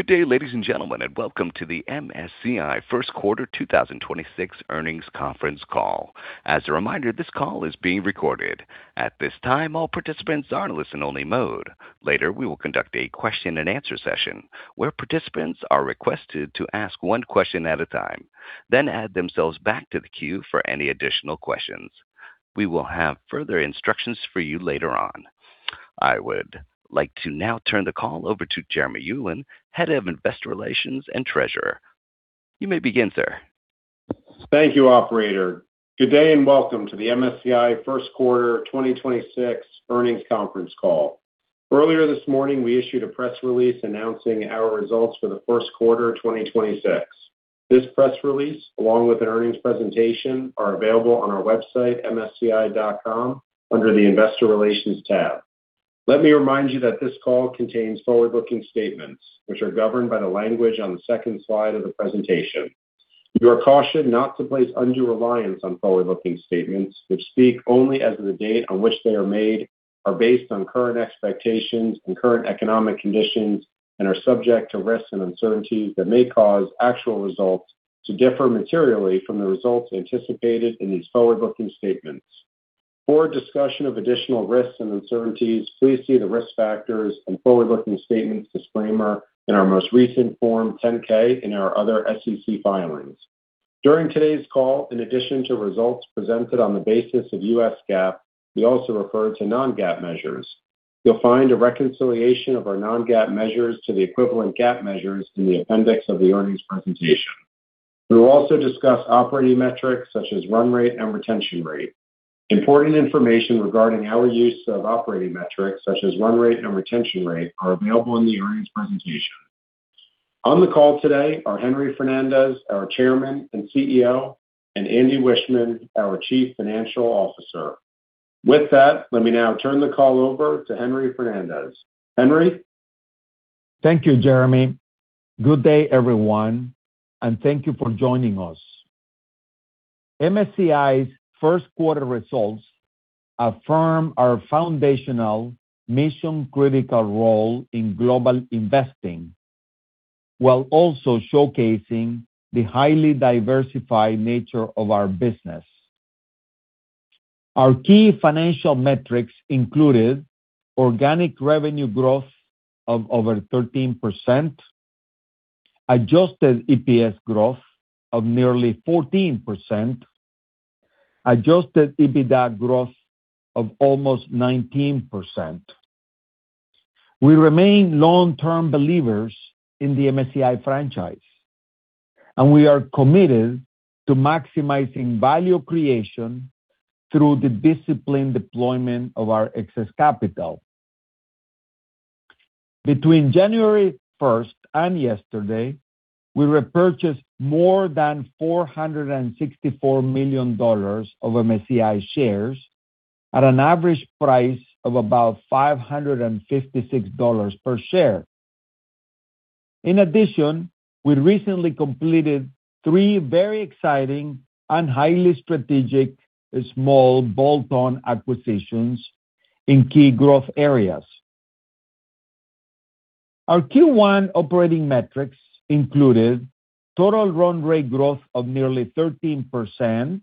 Good day, ladies and gentlemen, and welcome to the MSCI first quarter 2026 earnings conference call. As a reminder, this call is being recorded. At this time, all participants are in listen-only mode. Later, we will conduct a question-and-answer session where participants are requested to ask one question at a time, then add themselves back to the queue for any additional questions. We will have further instructions for you later on. I would like to now turn the call over to Jeremy Ulan, Head of Investor Relations and Treasurer. You may begin, sir. Thank you, operator. Good day and welcome to the MSCI first quarter 2026 earnings conference call. Earlier this morning, we issued a press release announcing our results for the first quarter of 2026. This press release, along with an earnings presentation, are available on our website, msci.com, under the Investor Relations tab. Let me remind you that this call contains forward-looking statements which are governed by the language on the second slide of the presentation. You are cautioned not to place undue reliance on forward-looking statements which speak only as of the date on which they are made, are based on current expectations and current economic conditions, and are subject to risks and uncertainties that may cause actual results to differ materially from the results anticipated in these forward-looking statements. For a discussion of additional risks and uncertainties, please see the Risk Factors and Forward-Looking Statements disclaimer in our most recent Form 10-K and our other SEC filings. During today's call, in addition to results presented on the basis of U.S. GAAP, we also refer to non-GAAP measures. You'll find a reconciliation of our non-GAAP measures to the equivalent GAAP measures in the appendix of the earnings presentation. We will also discuss operating metrics such as run rate and retention rate. Important information regarding our use of operating metrics such as run rate and retention rate are available in the earnings presentation. On the call today are Henry Fernandez, our Chairman and CEO, and Andy Wiechmann, our Chief Financial Officer. With that, let me now turn the call over to Henry Fernandez. Henry. Thank you, Jeremy. Good day, everyone, and thank you for joining us. MSCI's first quarter results affirm our foundational mission-critical role in global investing, while also showcasing the highly diversified nature of our business. Our key financial metrics included organic revenue growth of over 13%, adjusted EPS growth of nearly 14%, adjusted EBITDA growth of almost 19%. We remain long-term believers in the MSCI franchise, and we are committed to maximizing value creation through the disciplined deployment of our excess capital. Between January 1st and yesterday, we repurchased more than $464 million of MSCI shares at an average price of about $556 per share. In addition, we recently completed three very exciting and highly strategic small bolt-on acquisitions in key growth areas. Our Q1 operating metrics included total run rate growth of nearly 13%,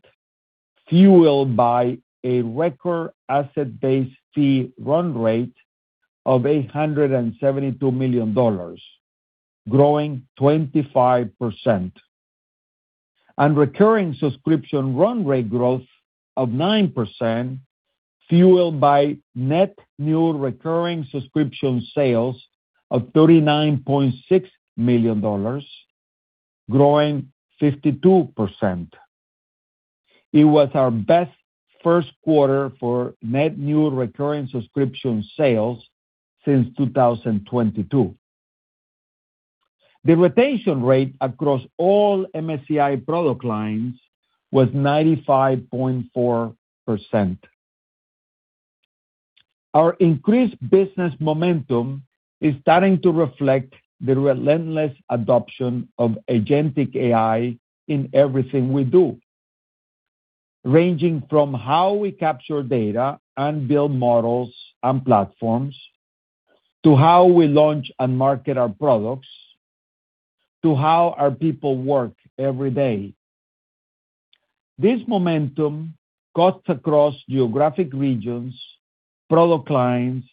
fueled by a record asset-based fee run rate of $872 million, growing 25%. Recurring subscription run rate growth of 9%, fueled by net new recurring subscription sales of $39.6 million, growing 52%. It was our best first quarter for net new recurring subscription sales since 2022. The retention rate across all MSCI product lines was 95.4%. Our increased business momentum is starting to reflect the relentless adoption of agentic AI in everything we do, ranging from how we capture data and build models and platforms, to how we launch and market our products, to how our people work every day. This momentum cuts across geographic regions, product lines,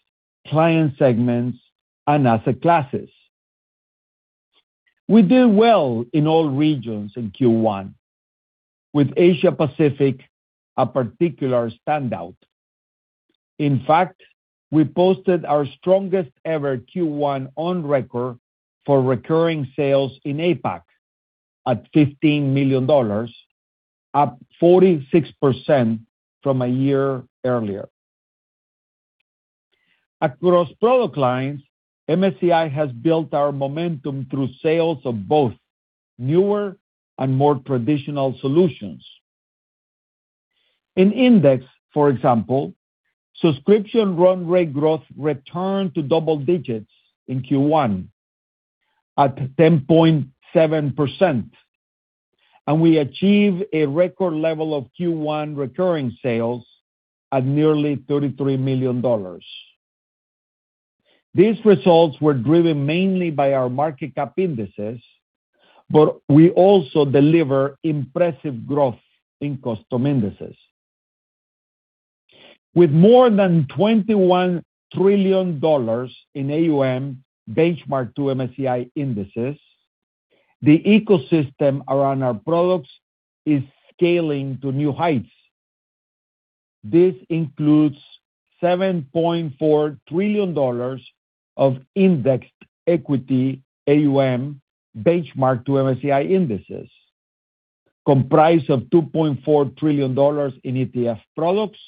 client segments, and asset classes. We did well in all regions in Q1, with Asia Pacific a particular standout. In fact, we posted our strongest ever Q1 on record for recurring sales in APAC at $15 million, up 46% from a year earlier. Across product lines, MSCI has built our momentum through sales of both newer and more traditional solutions. In index, for example, subscription run rate growth returned to double digits in Q1 at 10.7%. We achieved a record level of Q1 recurring sales at nearly $33 million. These results were driven mainly by our market cap indexes, but we also deliver impressive growth in Custom Indexes. With more than $21 trillion in AUM benchmarked to MSCI indexes, the ecosystem around our products is scaling to new heights. This includes $7.4 trillion of indexed equity AUM benchmarked to MSCI indexes, comprised of $2.4 trillion in ETF products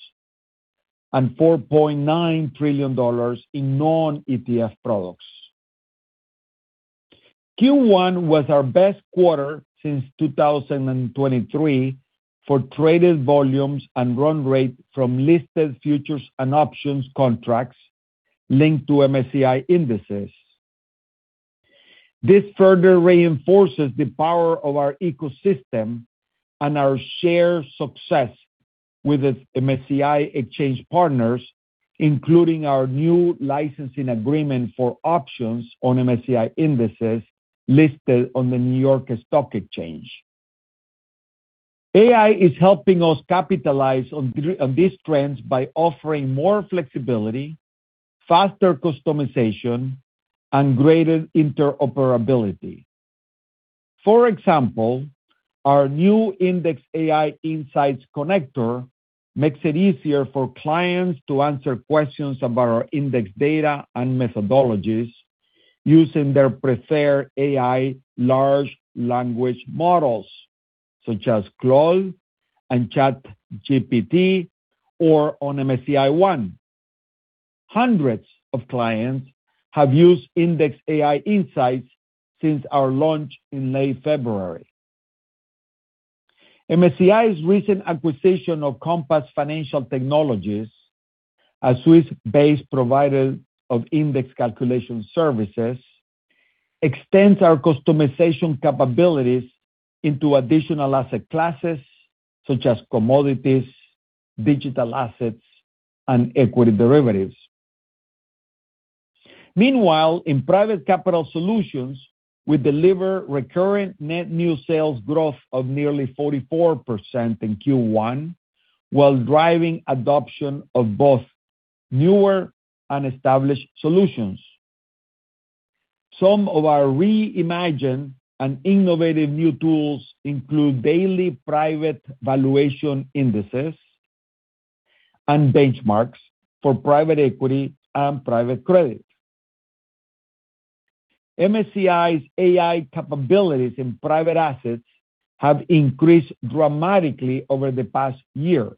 and $4.9 trillion in non-ETF products. Q1 was our best quarter since 2023 for traded volumes and run rate from listed futures and options contracts linked to MSCI indexes. This further reinforces the power of our ecosystem and our shared success with the MSCI exchange partners, including our new licensing agreement for options on MSCI indexes listed on the New York Stock Exchange. AI is helping us capitalize on these trends by offering more flexibility, faster customization, and greater interoperability. For example, our new IndexAI Insights connector makes it easier for clients to answer questions about our index data and methodologies using their preferred AI large language models, such as Claude and ChatGPT, or on MSCI ONE. Hundreds of clients have used IndexAI Insights since our launch in late February. MSCI's recent acquisition of Compass Financial Technologies, a Swiss-based provider of index calculation services, extends our customization capabilities into additional asset classes such as commodities, digital assets, and equity derivatives. Meanwhile, in private capital solutions, we deliver recurring net new sales growth of nearly 44% in Q1 while driving adoption of both newer and established solutions. Some of our reimagined and innovative new tools include daily private valuation indexes and benchmarks for private equity and private credit. MSCI's AI capabilities in private assets have increased dramatically over the past year,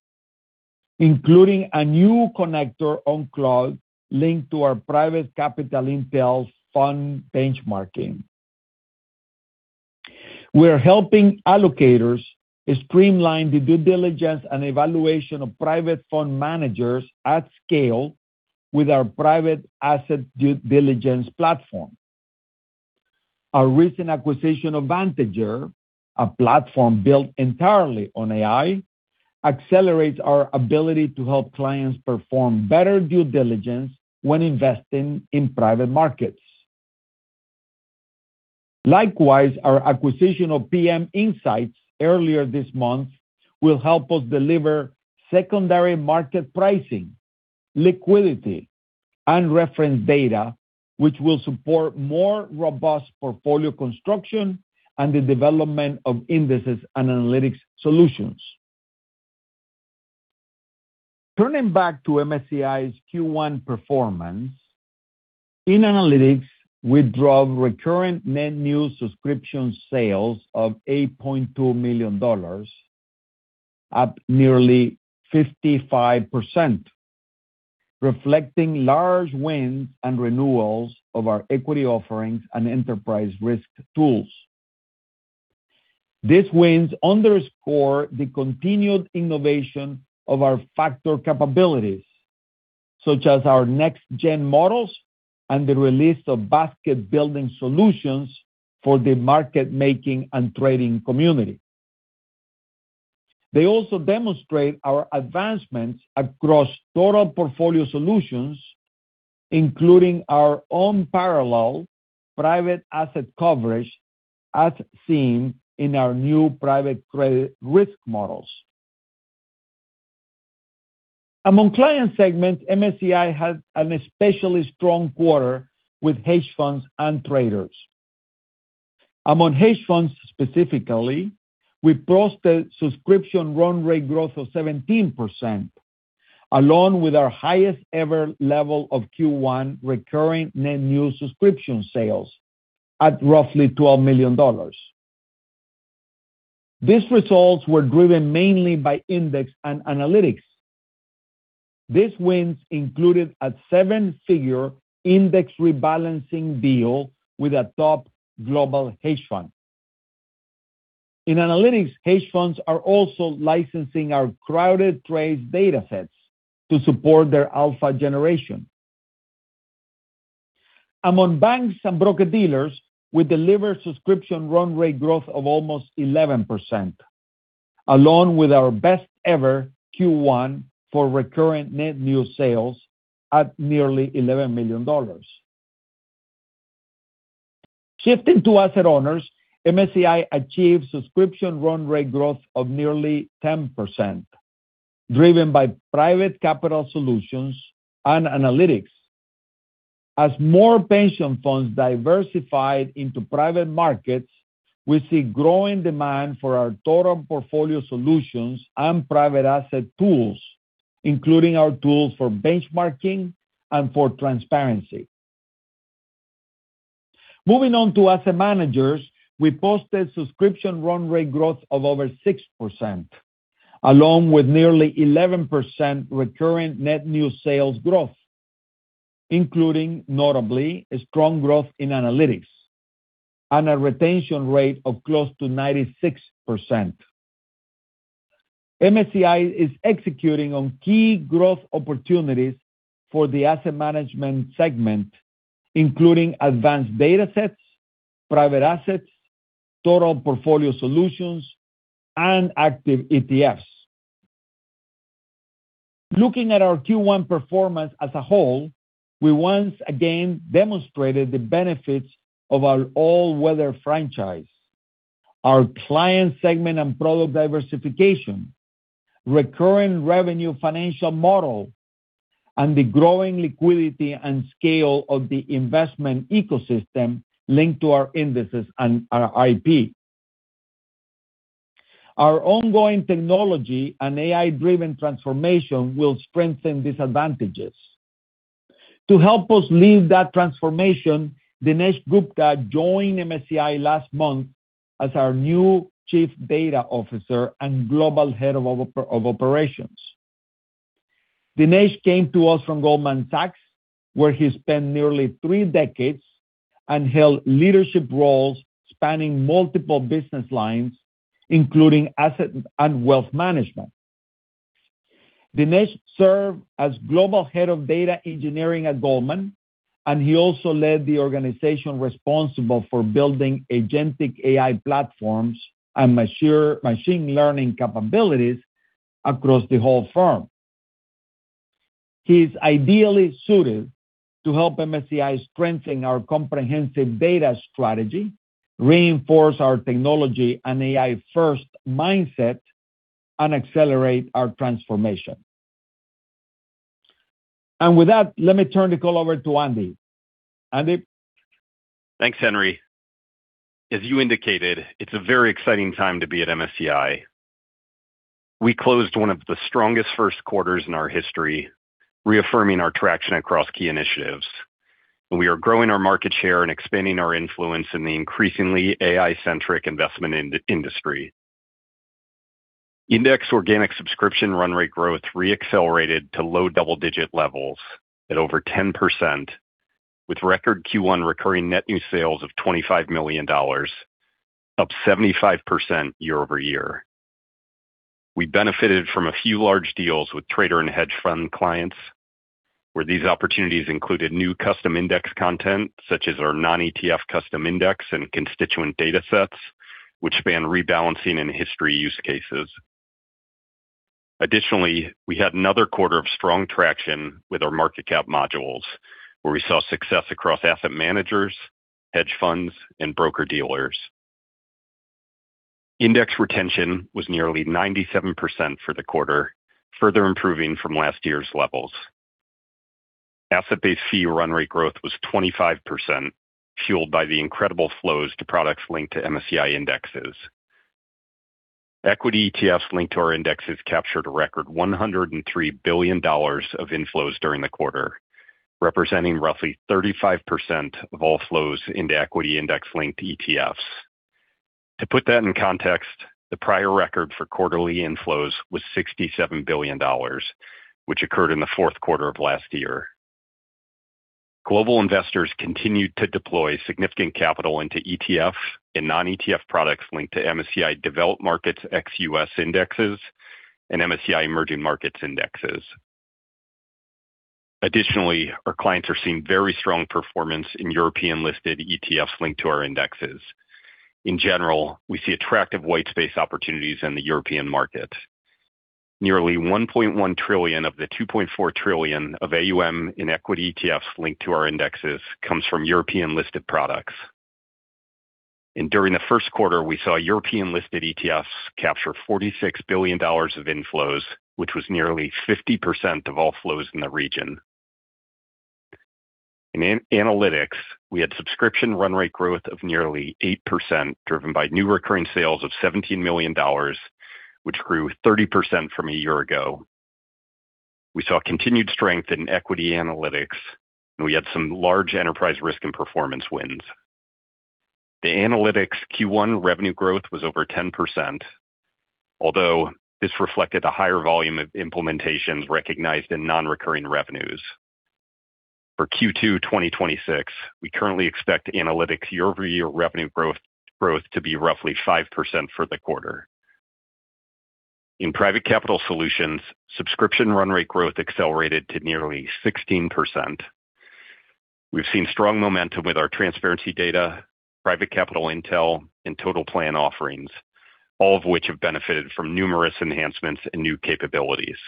including a new connector on Claude linked to our Private Capital Intel fund benchmarking. We're helping allocators streamline the due diligence and evaluation of private fund managers at scale with our private asset due diligence platform. Our recent acquisition of Vantager, a platform built entirely on AI, accelerates our ability to help clients perform better due diligence when investing in private markets. Likewise, our acquisition of PM Insights earlier this month will help us deliver secondary market pricing, liquidity, and reference data, which will support more robust portfolio construction and the development of indexes and analytics solutions. Turning back to MSCI's Q1 performance, in analytics, we drove recurring net new subscription sales of $8.2 million, up nearly 55%, reflecting large wins and renewals of our equity offerings and enterprise risk tools. These wins underscore the continued innovation of our factor capabilities, such as our next-gen models and the release of basket-building solutions for the market-making and trading community. They also demonstrate our advancements across total portfolio solutions, including our own parallel private asset coverage, as seen in our new private credit risk models. Among client segments, MSCI had an especially strong quarter with hedge funds and traders. Among hedge funds specifically, we posted subscription run rate growth of 17%, along with our highest ever level of Q1 recurring net new subscription sales at roughly $12 million. These results were driven mainly by index and analytics. These wins included a seven-figure index rebalancing deal with a top global hedge fund. In analytics, hedge funds are also licensing our crowded trades datasets to support their alpha generation. Among banks and broker-dealers, we delivered subscription run rate growth of almost 11%, along with our best ever Q1 for recurring net new sales at nearly $11 million. Shifting to asset owners, MSCI achieved subscription run rate growth of nearly 10%, driven by private capital solutions and analytics. As more pension funds diversified into private markets, we see growing demand for our total portfolio solutions and private asset tools, including our tools for benchmarking and for transparency. Moving on to asset managers, we posted subscription run rate growth of over 6%, along with nearly 11% recurring net new sales growth, including notably, a strong growth in analytics and a retention rate of close to 96%. MSCI is executing on key growth opportunities for the asset management segment, including advanced data sets, private assets, total portfolio solutions, and active ETFs. Looking at our Q1 performance as a whole, we once again demonstrated the benefits of our all-weather franchise, our client segment and product diversification, recurring revenue financial model, and the growing liquidity and scale of the investment ecosystem linked to our indexes and our IP. Our ongoing technology and AI-driven transformation will strengthen these advantages. To help us lead that transformation, Dinesh Gupta joined MSCI last month as our new Chief Data Officer and Global Head of Operations. Dinesh came to us from Goldman Sachs, where he spent nearly three decades and held leadership roles spanning multiple business lines, including asset and wealth management. Dinesh served as Global Head of Data Engineering at Goldman, and he also led the organization responsible for building agentic AI platforms and machine learning capabilities across the whole firm. He's ideally suited to help MSCI strengthen our comprehensive data strategy, reinforce our technology and AI-first mindset, and accelerate our transformation. With that, let me turn the call over to Andy. Andy? Thanks, Henry. As you indicated, it's a very exciting time to be at MSCI. We closed one of the strongest first quarters in our history, reaffirming our traction across key initiatives, and we are growing our market share and expanding our influence in the increasingly AI-centric investment industry. Index organic subscription run rate growth re-accelerated to low double-digit levels at over 10%, with record Q1 recurring net new sales of $25 million, up 75% year-over-year. We benefited from a few large deals with trader and hedge fund clients, where these opportunities included new Custom Index content, such as our non-ETF Custom Index and constituent data sets, which span rebalancing and history use cases. Additionally, we had another quarter of strong traction with our market cap modules, where we saw success across asset managers, hedge funds, and broker-dealers. Index retention was nearly 97% for the quarter, further improving from last year's levels. Asset-based fee run rate growth was 25%, fueled by the incredible flows to products linked to MSCI indexes. Equity ETFs linked to our indexes captured a record $103 billion of inflows during the quarter, representing roughly 35% of all flows into equity index-linked ETFs. To put that in context, the prior record for quarterly inflows was $67 billion, which occurred in the fourth quarter of last year. Global investors continued to deploy significant capital into ETF and non-ETF products linked to MSCI developed markets ex-US indexes and MSCI emerging markets indexes. Additionally, our clients are seeing very strong performance in European-listed ETFs linked to our indexes. In general, we see attractive white space opportunities in the European market. Nearly $1.1 trillion of the $2.4 trillion of AUM in equity ETFs linked to our indexes comes from European-listed products. During the first quarter, we saw European-listed ETFs capture $46 billion of inflows, which was nearly 50% of all flows in the region. In Analytics, we had subscription run rate growth of nearly 8%, driven by new recurring sales of $17 million, which grew 30% from a year ago. We saw continued strength in equity analytics, and we had some large enterprise risk and performance wins. The Analytics Q1 revenue growth was over 10%, although this reflected a higher volume of implementations recognized in non-recurring revenues. For Q2 2026, we currently expect Analytics year-over-year revenue growth to be roughly 5% for the quarter. In Private Capital Solutions, subscription run rate growth accelerated to nearly 16%. We've seen strong momentum with our transparency data, Private Capital Intel, and total plan offerings, all of which have benefited from numerous enhancements and new capabilities.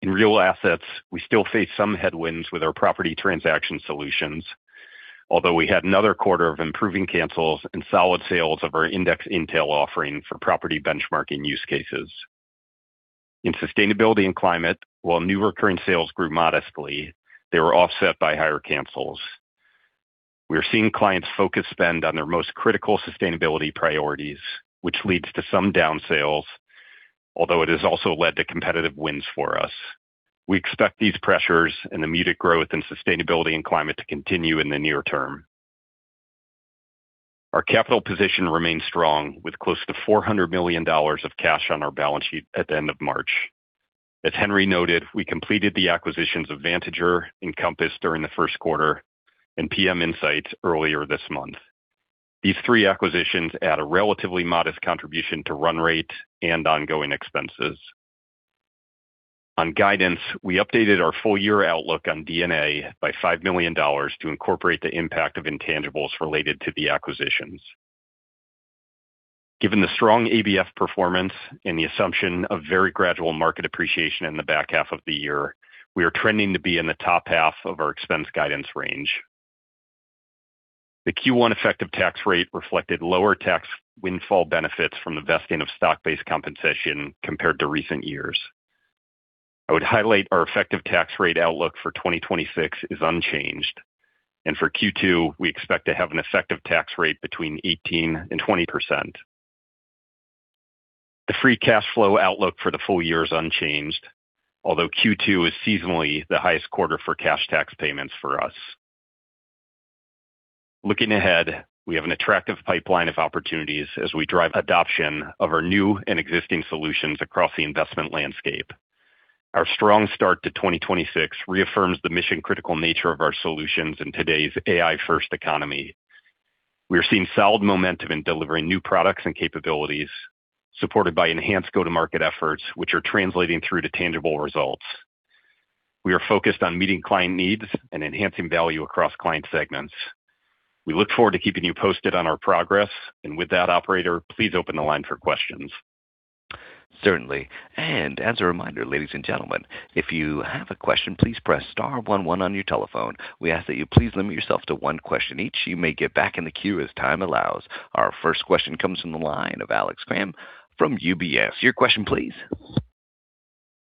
In real assets, we still face some headwinds with our property transaction solutions, although we had another quarter of improving cancels and solid sales of our index intel offering for property benchmarking use cases. In sustainability and climate, while new recurring sales grew modestly, they were offset by higher cancels. We are seeing clients focus spend on their most critical sustainability priorities, which leads to some down sales, although it has also led to competitive wins for us. We expect these pressures and the muted growth in sustainability and climate to continue in the near term. Our capital position remains strong, with close to $400 million of cash on our balance sheet at the end of March. As Henry noted, we completed the acquisitions of Vantager, Compass during the first quarter, and PM Insights earlier this month. These three acquisitions add a relatively modest contribution to run rate and ongoing expenses. On guidance, we updated our full year outlook on D&A by $5 million to incorporate the impact of intangibles related to the acquisitions. Given the strong ABF performance and the assumption of very gradual market appreciation in the back half of the year, we are trending to be in the top half of our expense guidance range. The Q1 effective tax rate reflected lower tax windfall benefits from the vesting of stock-based compensation compared to recent years. I would highlight our effective tax rate outlook for 2026 is unchanged, and for Q2, we expect to have an effective tax rate between 18%-20%. The free cash flow outlook for the full year is unchanged, although Q2 is seasonally the highest quarter for cash tax payments for us. Looking ahead, we have an attractive pipeline of opportunities as we drive adoption of our new and existing solutions across the investment landscape. Our strong start to 2026 reaffirms the mission-critical nature of our solutions in today's AI-first economy. We are seeing solid momentum in delivering new products and capabilities, supported by enhanced go-to-market efforts, which are translating through to tangible results. We are focused on meeting client needs and enhancing value across client segments. We look forward to keeping you posted on our progress. With that, operator, please open the line for questions. Certainly. As a reminder, ladies and gentlemen, if you have a question, please press star one one on your telephone. We ask that you please limit yourself to one question each. You may get back in the queue as time allows. Our first question comes from the line of Alex Kramm from UBS. Your question, please.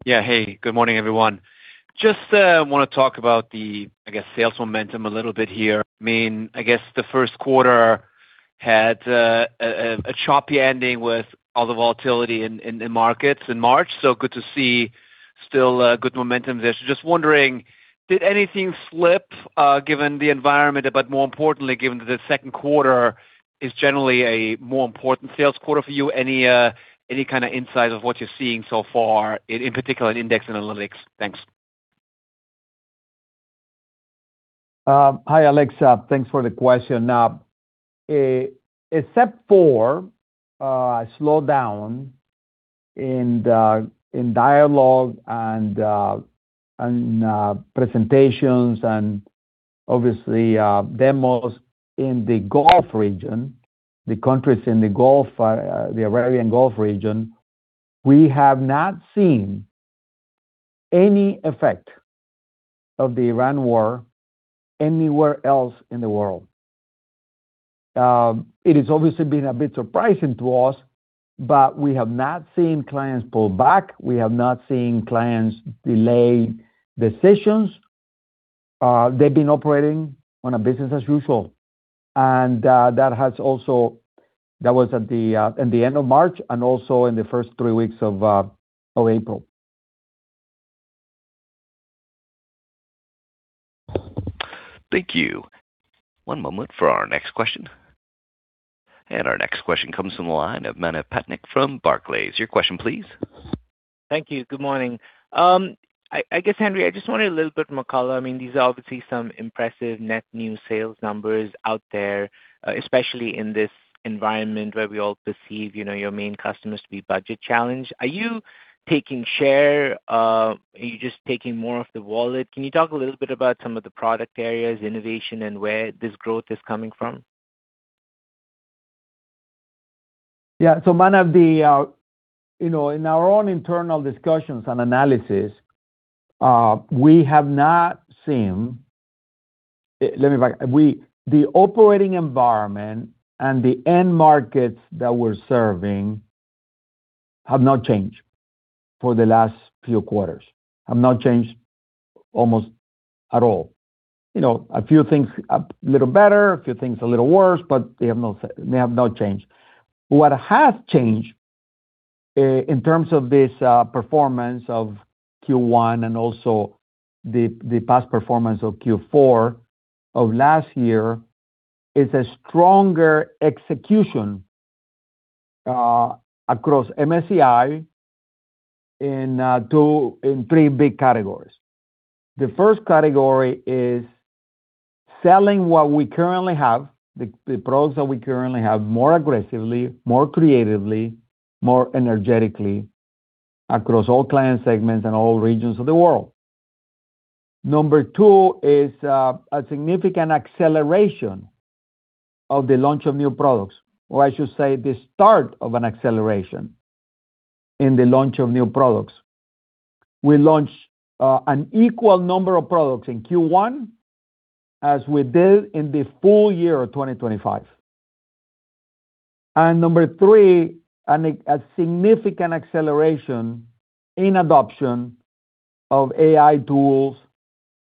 Yeah. Hey, good morning, everyone. Just want to talk about the, I guess, sales momentum a little bit here. I guess the first quarter had a choppy ending with all the volatility in the markets in March, so good to see still good momentum there. Just wondering, did anything slip, given the environment, but more importantly, given that the second quarter is generally a more important sales quarter for you, any kind of insight of what you're seeing so far in particular in index analytics? Thanks. Hi, Alex. Thanks for the question. Except for a slowdown in dialogue and presentations and obviously demos in the Gulf region, the countries in the Arabian Gulf region, we have not seen any effect of the Iran war anywhere else in the world. It has obviously been a bit surprising to us, but we have not seen clients pull back. We have not seen clients delay decisions. They've been operating on a business as usual. That was at the end of March and also in the first three weeks of April. Thank you. One moment for our next question. Our next question comes from the line of Manav Patnaik from Barclays. Your question, please. Thank you. Good morning. I guess, Henry, I just wanted a little bit more color. These are obviously some impressive net new sales numbers out there, especially in this environment where we all perceive your main customers to be budget-challenged. Are you taking share? Are you just taking more of the wallet? Can you talk a little bit about some of the product areas, innovation, and where this growth is coming from? Yeah. Manav, in our own internal discussions and analysis, we have not seen, the operating environment and the end markets that we're serving have not changed for the last few quarters. Have not changed almost at all. A few things a little better, a few things a little worse, but they have not changed. What has changed, in terms of this performance of Q1 and also the past performance of Q4 of last year, is a stronger execution across MSCI in three big categories. The first category is selling what we currently have, the products that we currently have, more aggressively, more creatively, more energetically across all client segments and all regions of the world. Number two is a significant acceleration of the launch of new products, or I should say the start of an acceleration in the launch of new products. We launched an equal number of products in Q1 as we did in the full year of 2025. Number three, a significant acceleration in adoption of AI tools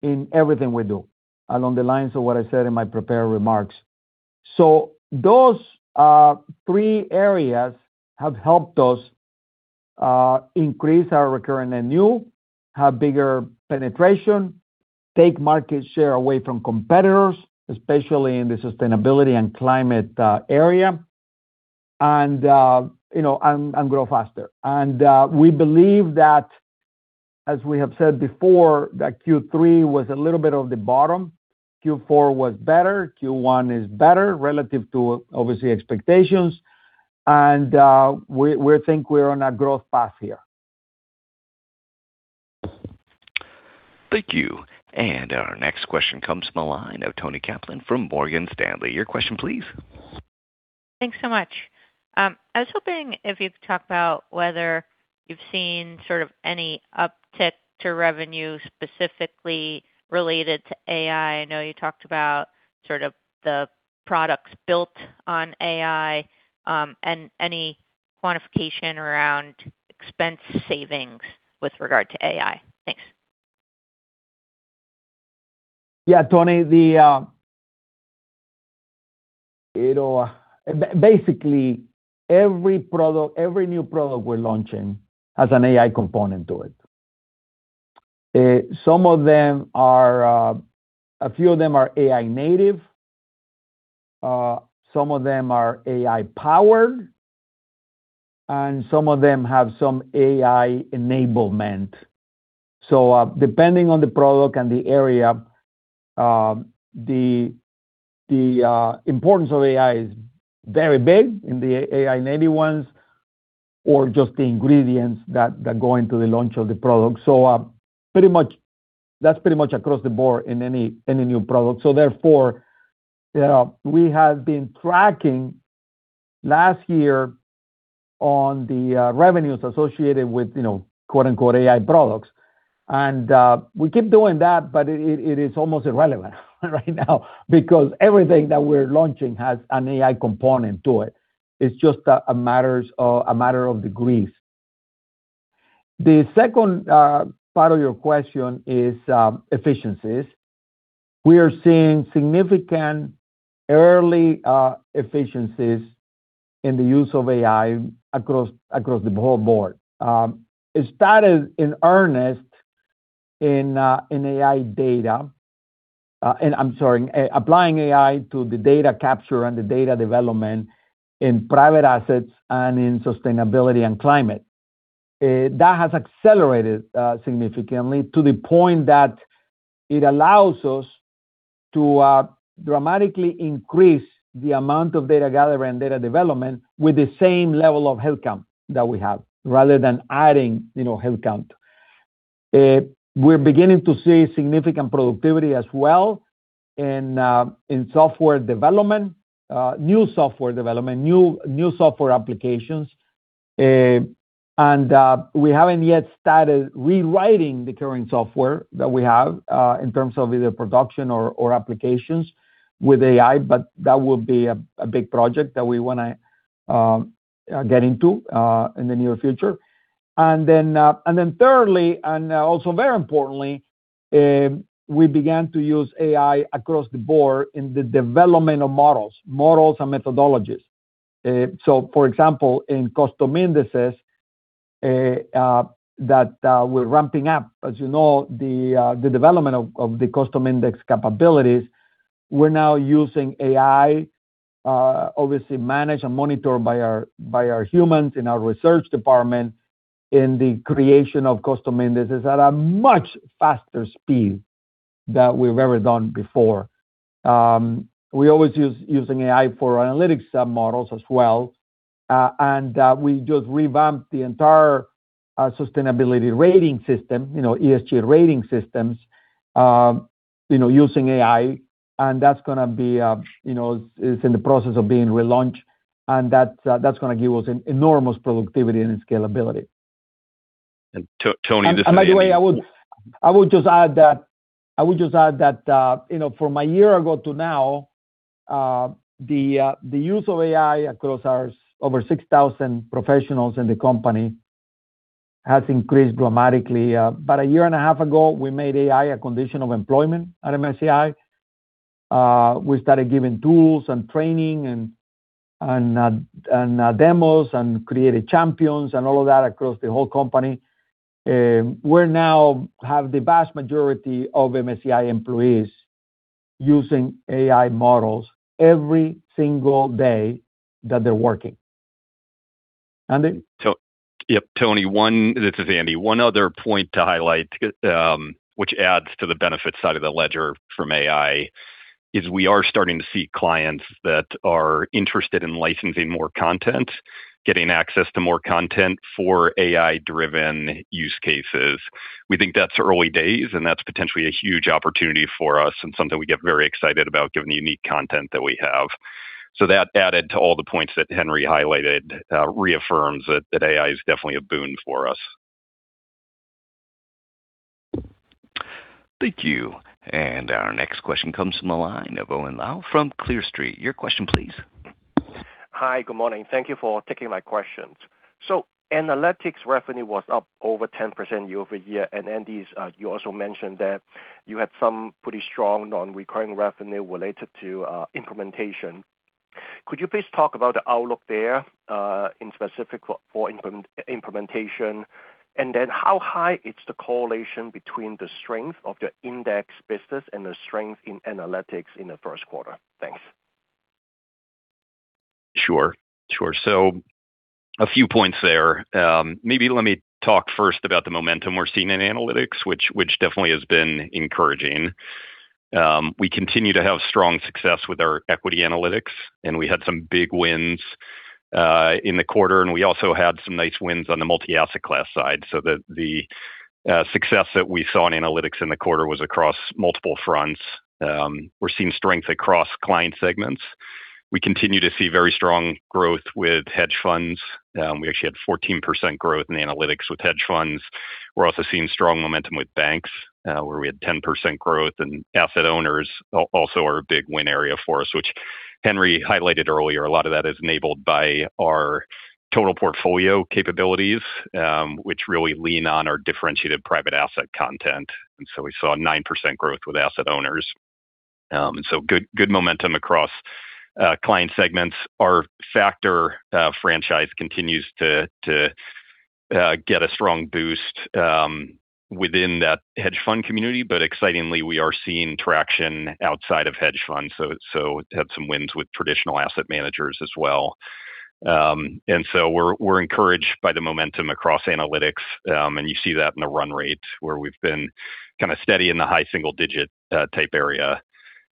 in everything we do, along the lines of what I said in my prepared remarks. Those three areas have helped us increase our recurring and new, have bigger penetration, take market share away from competitors, especially in the sustainability and climate area, and grow faster. We believe that, as we have said before, that Q3 was a little bit of the bottom. Q4 was better, Q1 is better relative to, obviously, expectations. We think we're on a growth path here. Thank you. Our next question comes from the line of Toni Kaplan from Morgan Stanley. Your question, please. Thanks so much. I was hoping if you could talk about whether you've seen sort of any uptick in revenue specifically related to AI. I know you talked about sort of the products built on AI, and any quantification around expense savings with regard to AI. Thanks. Yeah, Toni. Basically, every new product we're launching has an AI component to it. A few of them are AI native, some of them are AI powered, and some of them have some AI enablement. Depending on the product and the area, the importance of AI is very big in the AI-native ones or just the ingredients that go into the launch of the product. That's pretty much across the Board in any new product. Therefore, we have been tracking last year on the revenues associated with, quote-unquote, AI products. We keep doing that, but it is almost irrelevant right now because everything that we're launching has an AI component to it. It's just a matter of degrees. The second part of your question is efficiencies. We are seeing significant early efficiencies in the use of AI across the whole Board. It started in earnest applying AI to the data capture and the data development in private assets and in sustainability and climate. That has accelerated significantly to the point that it allows us to dramatically increase the amount of data gathering and data development with the same level of headcount that we have, rather than adding headcount. We're beginning to see significant productivity as well in software development, new software development, new software applications. We haven't yet started rewriting the current software that we have, in terms of either production or applications with AI, but that will be a big project that we want to get into in the near future. Thirdly, and also very importantly, we began to use AI across the Board in the development of models and methodologies. For example, in Custom Indexes, that we're ramping up. As you know, the development of the Custom Index capabilities, we're now using AI, obviously managed and monitored by our humans in our research department in the creation of Custom Indexes at a much faster speed that we've ever done before. We're always using AI for analytics sub-models as well. We just revamped the entire sustainability rating system, ESG rating systems, using AI, and that's in the process of being relaunched, and that's going to give us enormous productivity and scalability. Toni, this may be By the way, I would just add that from a year ago to now, the use of AI across our over 6,000 professionals in the company has increased dramatically. About a year and a half ago, we made AI a condition of employment at MSCI. We started giving tools and training and demos and created champions and all of that across the whole company. We now have the vast majority of MSCI employees. Using AI models every single day that they're working. Andy? Yep, Toni. This is Andy. One other point to highlight, which adds to the benefit side of the ledger from AI, is we are starting to see clients that are interested in licensing more content, getting access to more content for AI-driven use cases. We think that's early days, and that's potentially a huge opportunity for us and something we get very excited about given the unique content that we have. That, added to all the points that Henry highlighted, reaffirms that AI is definitely a boon for us. Thank you. Our next question comes from the line of Owen Lau from Clear Street. Your question please. Hi. Good morning. Thank you for taking my questions. Analytics revenue was up over 10% year-over-year, and Andy, you also mentioned that you had some pretty strong non-recurring revenue related to implementation. Could you please talk about the outlook there, specifically for implementation? And then how high is the correlation between the strength of the index business and the strength in analytics in the first quarter? Thanks. Sure. A few points there. Maybe let me talk first about the momentum we're seeing in analytics, which definitely has been encouraging. We continue to have strong success with our equity analytics, and we had some big wins in the quarter, and we also had some nice wins on the multi-asset class side, so that the success that we saw in analytics in the quarter was across multiple fronts. We're seeing strength across client segments. We continue to see very strong growth with hedge funds. We actually had 14% growth in analytics with hedge funds. We're also seeing strong momentum with banks, where we had 10% growth, and asset owners also are a big win area for us, which Henry highlighted earlier. A lot of that is enabled by our total portfolio capabilities, which really lean on our differentiated private asset content. We saw 9% growth with asset owners. Good momentum across client segments. Our factor franchise continues to get a strong boost within that hedge fund community. Excitingly, we are seeing traction outside of hedge funds, so had some wins with traditional asset managers as well. We're encouraged by the momentum across Analytics, and you see that in the run rate, where we've been kind of steady in the high single-digit type area.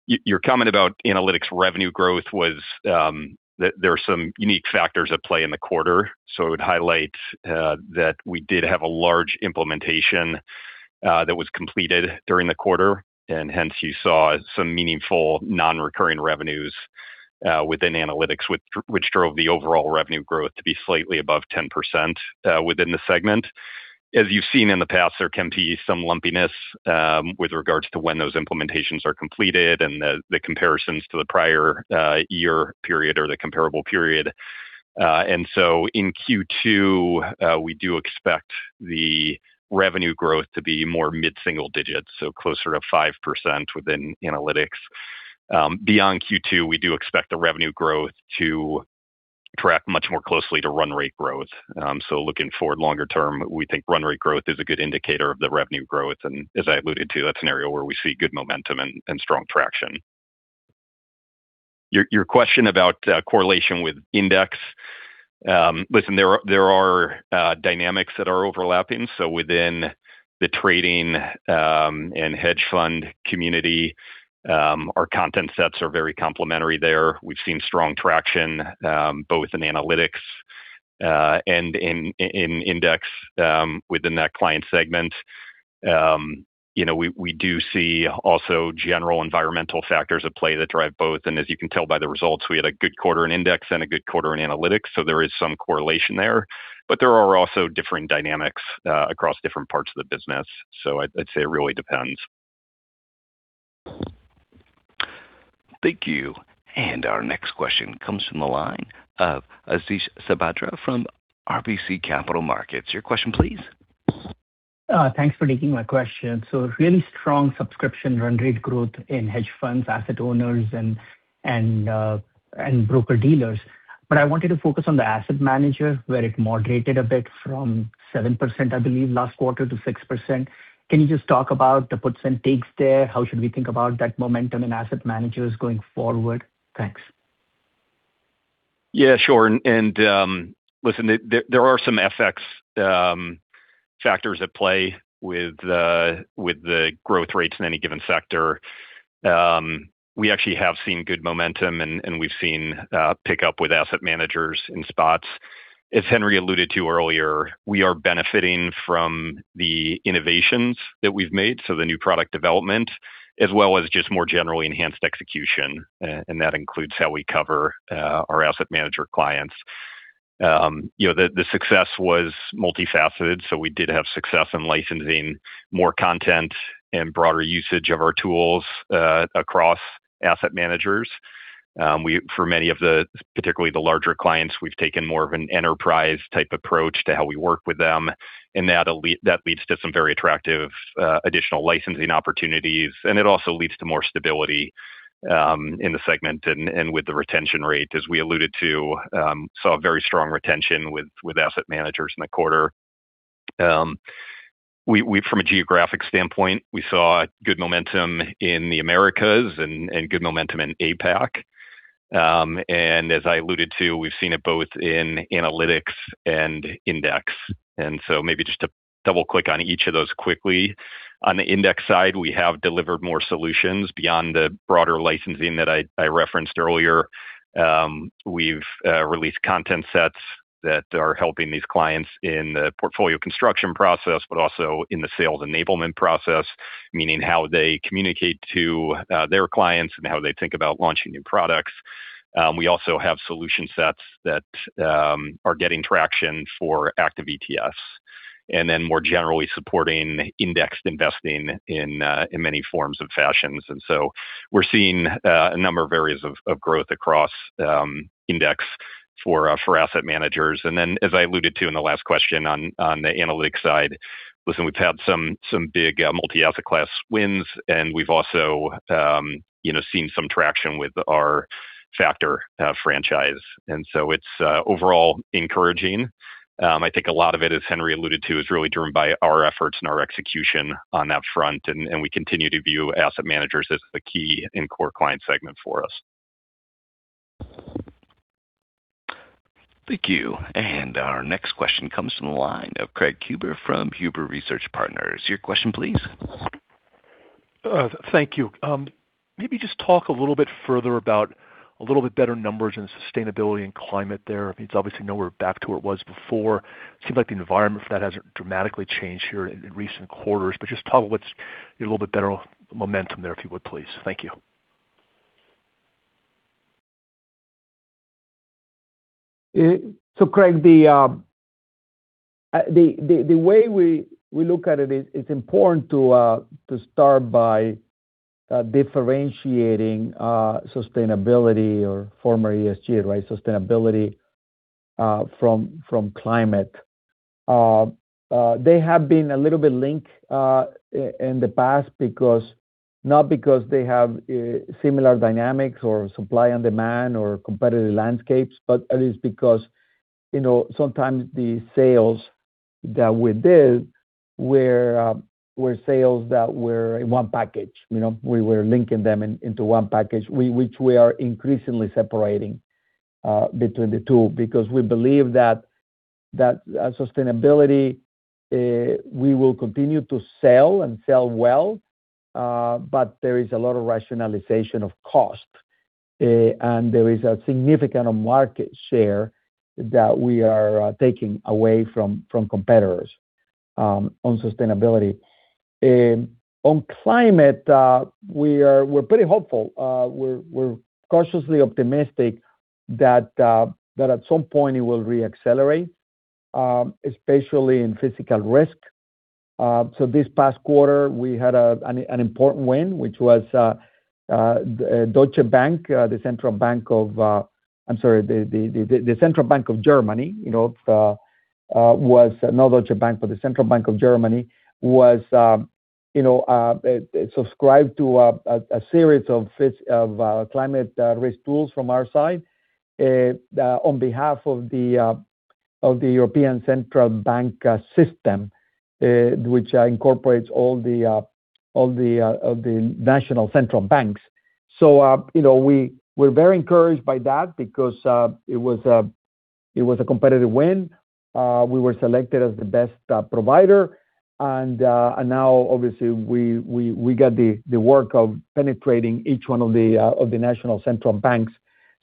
Your comment about Analytics revenue growth was. There were some unique factors at play in the quarter, so I would highlight that we did have a large implementation that was completed during the quarter, and hence you saw some meaningful non-recurring revenues within Analytics, which drove the overall revenue growth to be slightly above 10% within the segment. As you've seen in the past, there can be some lumpiness with regards to when those implementations are completed and the comparisons to the prior year period or the comparable period. In Q2, we do expect the revenue growth to be more mid-single digits, so closer to 5% within analytics. Beyond Q2, we do expect the revenue growth to track much more closely to run rate growth. Looking forward longer term, we think run rate growth is a good indicator of the revenue growth, and as I alluded to, that's an area where we see good momentum and strong traction. Your question about correlation with index. Listen, there are dynamics that are overlapping. Within the trading and hedge fund community, our content sets are very complementary there. We've seen strong traction both in analytics, and in index within that client segment. We do see also general environmental factors at play that drive both, and as you can tell by the results, we had a good quarter in Index and a good quarter in Analytics, so there is some correlation there. There are also differing dynamics across different parts of the business. I'd say it really depends. Thank you. Our next question comes from the line of Ashish Sabadra from RBC Capital Markets. Your question please. Thanks for taking my question. Really strong subscription run rate growth in hedge funds, asset owners, and broker-dealers, but I wanted to focus on the asset manager, where it moderated a bit from 7%, I believe, last quarter, to 6%. Can you just talk about the puts and takes there? How should we think about that momentum in asset managers going forward? Thanks. Yeah, sure. Listen, there are some FX factors at play with the growth rates in any given sector. We actually have seen good momentum, and we've seen pick-up with asset managers in spots. As Henry alluded to earlier, we are benefiting from the innovations that we've made, so the new product development, as well as just more generally enhanced execution, and that includes how we cover our asset manager clients. The success was multifaceted, so we did have success in licensing more content and broader usage of our tools across asset managers. For many of them, particularly the larger clients, we've taken more of an enterprise type approach to how we work with them, and that leads to some very attractive additional licensing opportunities, and it also leads to more stability in the segment and with the retention rate. As we alluded to, we saw very strong retention with asset managers in the quarter. From a geographic standpoint, we saw good momentum in the Americas and good momentum in APAC. As I alluded to, we've seen it both in analytics and index. Maybe just to double-click on each of those quickly. On the index side, we have delivered more solutions beyond the broader licensing that I referenced earlier. We've released content sets that are helping these clients in the portfolio construction process, but also in the sales enablement process, meaning how they communicate to their clients and how they think about launching new products. We also have solution sets that are getting traction for active ETFs, and then more generally supporting indexed investing in many forms and fashions. We're seeing a number of areas of growth across index for asset managers. As I alluded to in the last question on the analytics side, listen, we've had some big multi-asset class wins, and we've also seen some traction with our factor franchise. It's overall encouraging. I think a lot of it, as Henry alluded to, is really driven by our efforts and our execution on that front, and we continue to view asset managers as the key and core client segment for us. Thank you. Our next question comes from the line of Craig Huber from Huber Research Partners. Your question, please. Thank you. Maybe just talk a little bit further about a little bit better numbers in sustainability and climate there. It's obviously nowhere back to where it was before. Seems like the environment for that has dramatically changed here in recent quarters. Just talk what's a little bit better momentum there, if you would, please. Thank you. Craig, the way we look at it's important to start by differentiating sustainability or former ESG, sustainability from climate. They have been a little bit linked in the past, not because they have similar dynamics or supply and demand or competitive landscapes, but at least because sometimes the sales that we did were sales that were in one package. We were linking them into one package, which we are increasingly separating between the two because we believe that sustainability, we will continue to sell and sell well, but there is a lot of rationalization of cost. There is a significant market share that we are taking away from competitors on sustainability. On climate, we're pretty hopeful. We're cautiously optimistic that at some point it will re-accelerate, especially in physical risk. This past quarter, we had an important win, which was Deutsche Bank, the Central Bank of Germany. Not Deutsche Bank, but the Central Bank of Germany was subscribed to a series of climate risk tools from our side on behalf of the European Central Bank system, which incorporates all the national central banks. We're very encouraged by that because it was a competitive win. We were selected as the best provider, and now obviously we got the work of penetrating each one of the national central banks.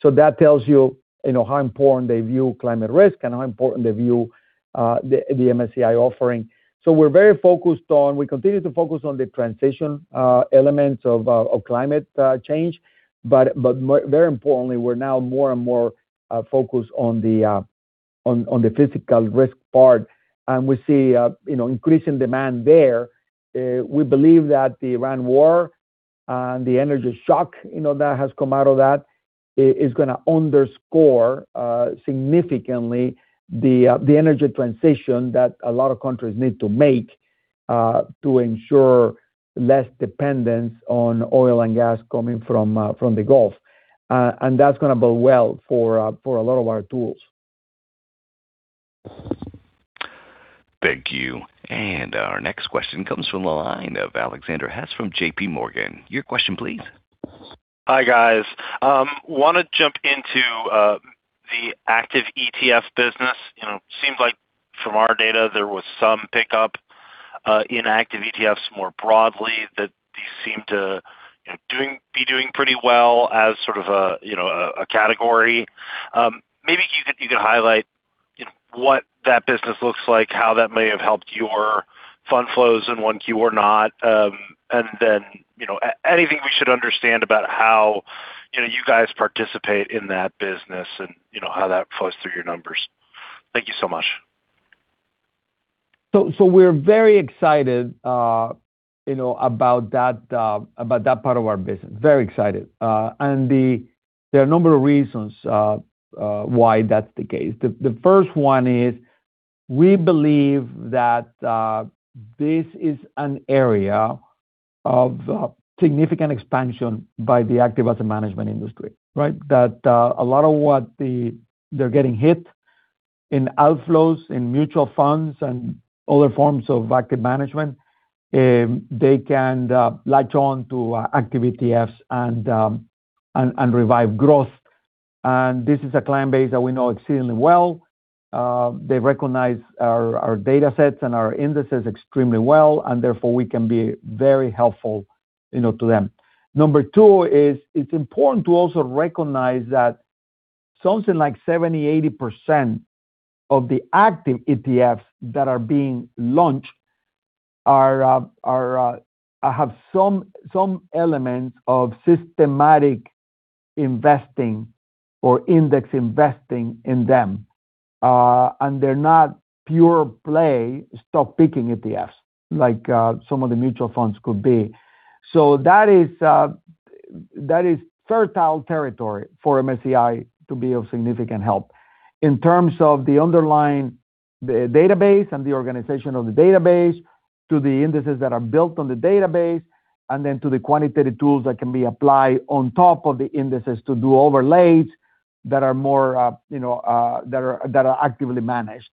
That tells you how important they view climate risk and how important they view the MSCI offering. We continue to focus on the transition elements of climate change. Very importantly, we're now more and more focused on the physical risk part, and we see increasing demand there. We believe that the Iran war and the energy shock that has come out of that is going to underscore significantly the energy transition that a lot of countries need to make to ensure less dependence on oil and gas coming from the Gulf. That's going to bode well for a lot of our tools. Thank you. Our next question comes from the line of Alexander Hess from JPMorgan. Your question, please. Hi, guys. I want to jump into the active ETF business. It seems like from our data, there was some pickup in active ETFs more broadly that these seem to be doing pretty well as sort of a category. Maybe you could highlight what that business looks like, how that may have helped your fund flows in 1Q or not. Anything we should understand about how you guys participate in that business and how that flows through your numbers. Thank you so much. We're very excited about that part of our business. Very excited. There are a number of reasons why that's the case. The first one is we believe that this is an area of significant expansion by the active asset management industry, right? That a lot of what they're getting hit in outflows, in mutual funds and other forms of active management, they can latch on to active ETFs and revive growth. This is a client base that we know exceedingly well. They recognize our datasets and our indexes extremely well, and therefore we can be very helpful to them. Number two is, it's important to also recognize that something like 70%-80% of the active ETFs that are being launched have some elements of systematic investing or index investing in them. They're not pure play, stock-picking ETFs, like some of the mutual funds could be. That is fertile territory for MSCI to be of significant help in terms of the underlying database and the organization of the database to the indexes that are built on the database, and then to the quantitative tools that can be applied on top of the indexes to do overlays that are actively managed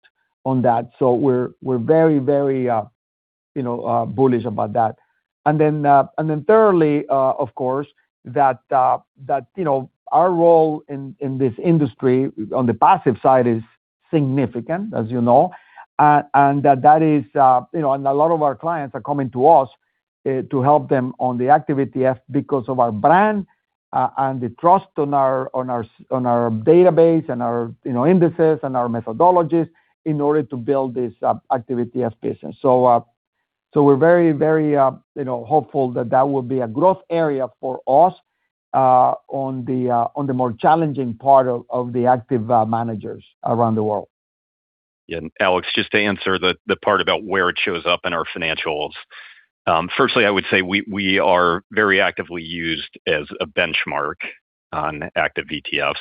on that. We're very bullish about that. Thirdly, of course, that our role in this industry on the passive side is significant, as you know. A lot of our clients are coming to us to help them on the active ETF because of our brand, and the trust on our database and our indexes and our methodologies in order to build this active ETF business. We're very hopeful that that will be a growth area for us on the more challenging part of the active managers around the world. Yeah. Alex, just to answer the part about where it shows up in our financials. Firstly, I would say we are very actively used as a benchmark on active ETFs.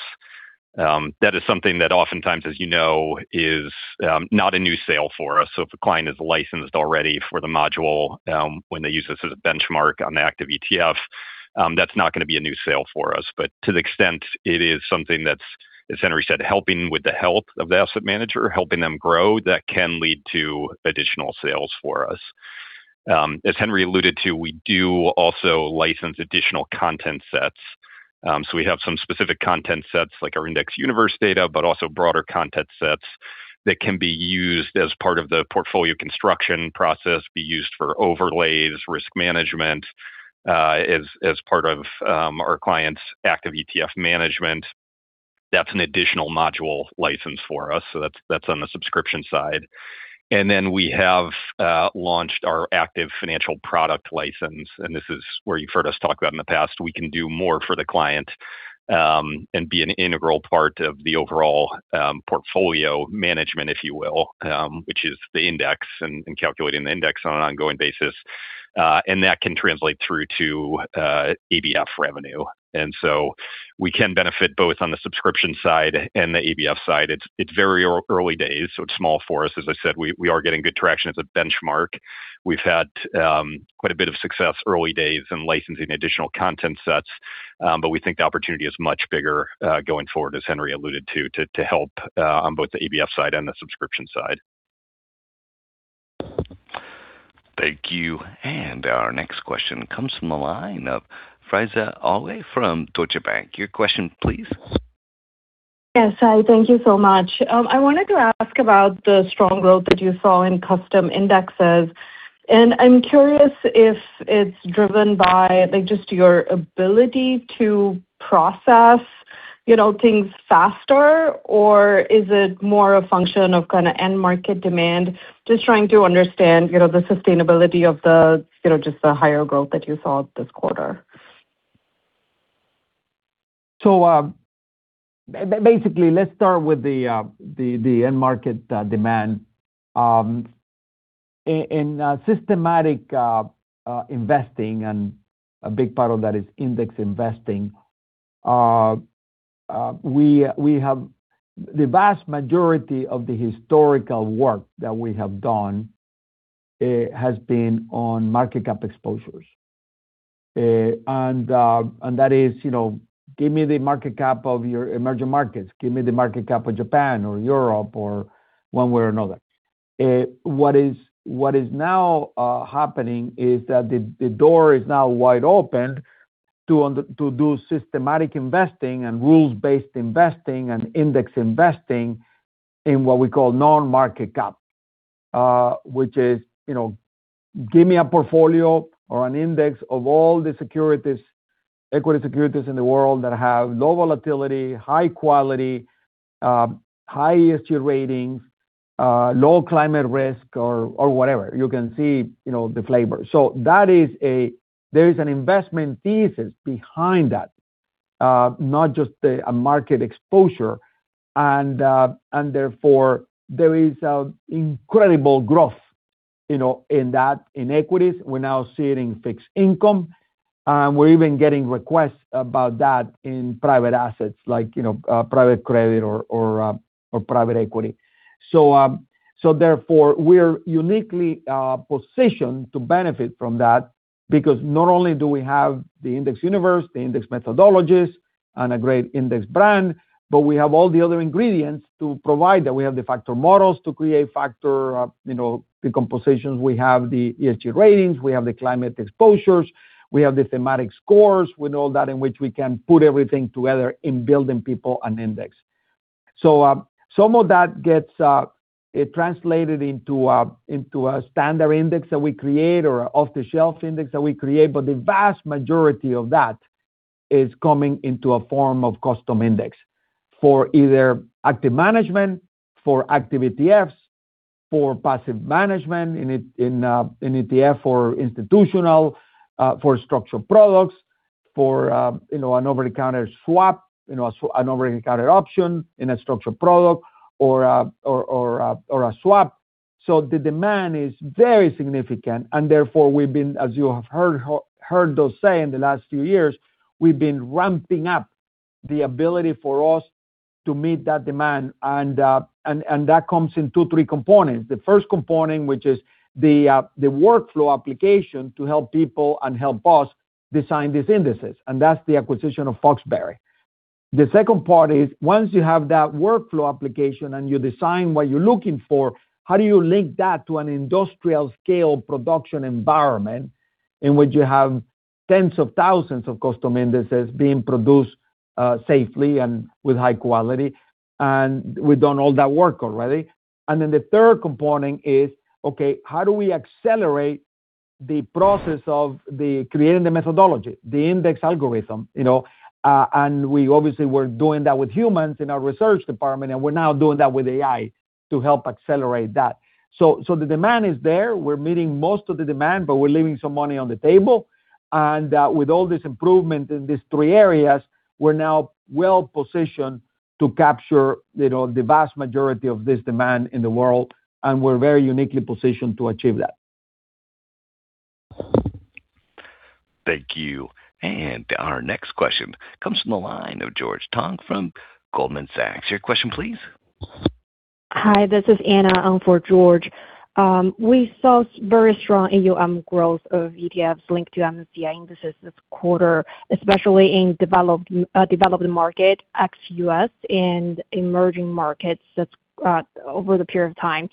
That is something that oftentimes, as you know, is not a new sale for us. If a client is licensed already for the module, when they use us as a benchmark on the active ETF, that's not going to be a new sale for us. To the extent it is something that's, as Henry said, helping with the health of the asset manager, helping them grow, that can lead to additional sales for us. As Henry alluded to, we do also license additional content sets. We have some specific content sets like our index universe data, but also broader content sets that can be used as part of the portfolio construction process, be used for overlays, risk management, as part of our clients' active ETF management. That's an additional module license for us. That's on the subscription side. Then we have launched our active financial product license, and this is where you've heard us talk about in the past. We can do more for the client, and be an integral part of the overall portfolio management, if you will, which is the index and calculating the index on an ongoing basis. That can translate through to ABF revenue. We can benefit both on the subscription side and the ABF side. It's very early days, so it's small for us. As I said, we are getting good traction as a benchmark. We've had quite a bit of success early days in licensing additional content sets. We think the opportunity is much bigger, going forward, as Henry alluded to help, on both the ABF side and the subscription side. Thank you. Our next question comes from the line of Faiza Alwy from Deutsche Bank. Your question please. Yes. Hi, thank you so much. I wanted to ask about the strong growth that you saw in Custom Indexes, and I'm curious if it's driven by just your ability to process things faster, or is it more a function of kind of end market demand? Just trying to understand the sustainability of just the higher growth that you saw this quarter. Basically, let's start with the end market demand. In systematic investing, and a big part of that is index investing, the vast majority of the historical work that we have done has been on market cap exposures. That is, give me the market cap of your emerging markets, give me the market cap of Japan or Europe, or one way or another. What is now happening is that the door is now wide open to do systematic investing and rules-based investing and index investing in what we call non-market cap, which is give me a portfolio or an index of all the securities, equity securities in the world that have low volatility, high quality, high ESG ratings, low climate risk or whatever. You can see the flavor. Therefore, there is incredible growth in equities. We're now seeing fixed income. We're even getting requests about that in private assets like private credit or private equity. Therefore, we're uniquely positioned to benefit from that because not only do we have the index universe, the index methodologies, and a great index brand, but we have all the other ingredients to provide that. We have the factor models to create factor decompositions. We have the ESG ratings, we have the climate exposures, we have the thematic scores. We know the ways in which we can put everything together in building people an index. Some of that gets translated into a standard index that we create or an off-the-shelf index that we create. The vast majority of that is coming into a form of Custom Index for either active management, for active ETFs, for passive management in ETF or institutional, for structural products, for an over-the-counter swap, an over-the-counter option in a structured product or a swap. The demand is very significant, and therefore, as you have heard us say in the last few years, we've been ramping up the ability for us to meet that demand. That comes in two, three components. The first component, which is the workflow application to help people and help us design these indexes, and that's the acquisition of Foxberry. The second part is once you have that workflow application and you design what you're looking for, how do you link that to an industrial-scale production environment in which you have tens of thousands of Custom Indexes being produced safely and with high quality? We've done all that work already. The third component is, okay, how do we accelerate the process of creating the methodology, the index algorithm? We obviously were doing that with humans in our research department, and we're now doing that with AI to help accelerate that. The demand is there. We're meeting most of the demand, but we're leaving some money on the table. With all this improvement in these three areas, we're now well-positioned to capture the vast majority of this demand in the world, and we're very uniquely positioned to achieve that. Thank you. Our next question comes from the line of George Tong from Goldman Sachs. Your question, please. Hi, this is Anna for George. We saw very strong AUM growth of ETFs linked to MSCI indexes this quarter, especially in developed market ex-U.S. and emerging markets over the period of time.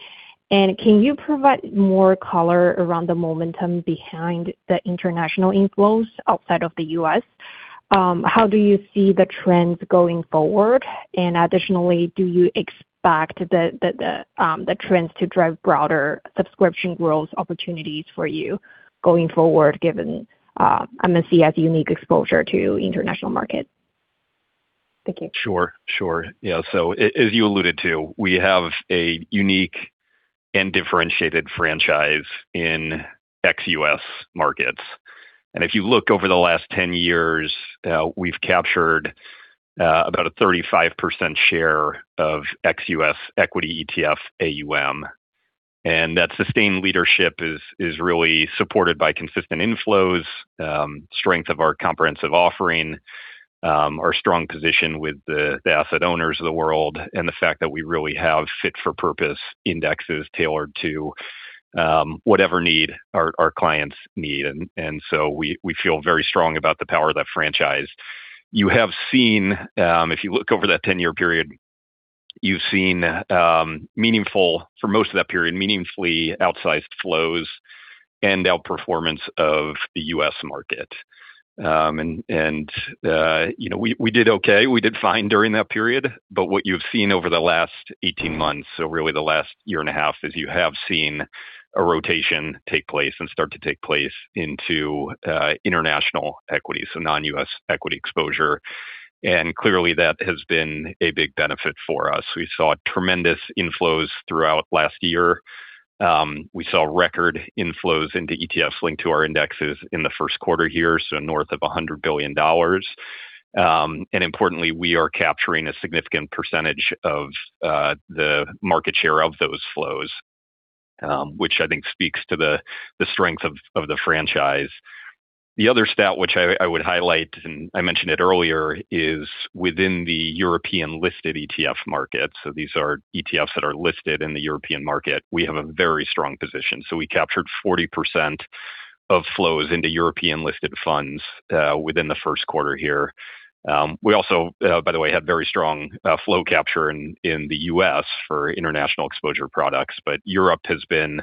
Can you provide more color around the momentum behind the international inflows outside of the U.S.? How do you see the trends going forward? Additionally, do you expect the trends to drive broader subscription growth opportunities for you going forward given MSCI's unique exposure to international markets? Thank you. Sure. As you alluded to, we have a unique and differentiated franchise in ex-U.S. markets. If you look over the last 10 years, we've captured about a 35% share of ex-U.S. equity ETF AUM. That sustained leadership is really supported by consistent inflows, strength of our comprehensive offering, our strong position with the asset owners of the world, and the fact that we really have fit-for-purpose indexes tailored to whatever need our clients need. We feel very strong about the power of that franchise. If you look over that 10-year period, you've seen, for most of that period, meaningfully outsized flows and outperformance of the U.S. market. We did okay. We did fine during that period. What you've seen over the last 18 months, so really the last year and a half, is you have seen a rotation take place and start to take place into international equity, so non-U.S. equity exposure. Clearly, that has been a big benefit for us. We saw tremendous inflows throughout last year. We saw record inflows into ETFs linked to our indexes in the first quarter here, so north of $100 billion. Importantly, we are capturing a significant percentage of the market share of those flows, which I think speaks to the strength of the franchise. The other stat which I would highlight, and I mentioned it earlier, is within the European-listed ETF market. These are ETFs that are listed in the European market. We have a very strong position. We captured 40% of flows into European-listed funds within the first quarter here. We also, by the way, had very strong flow capture in the U.S. for international exposure products. Europe has been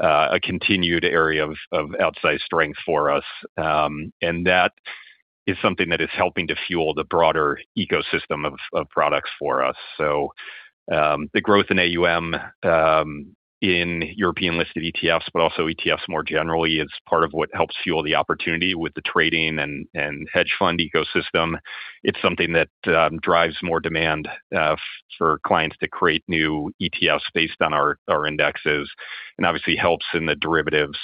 a continued area of outsized strength for us. That is something that is helping to fuel the broader ecosystem of products for us. The growth in AUM in European-listed ETFs, but also ETFs more generally, is part of what helps fuel the opportunity with the trading and hedge fund ecosystem. It's something that drives more demand for clients to create new ETFs based on our indexes, and obviously helps in the derivatives,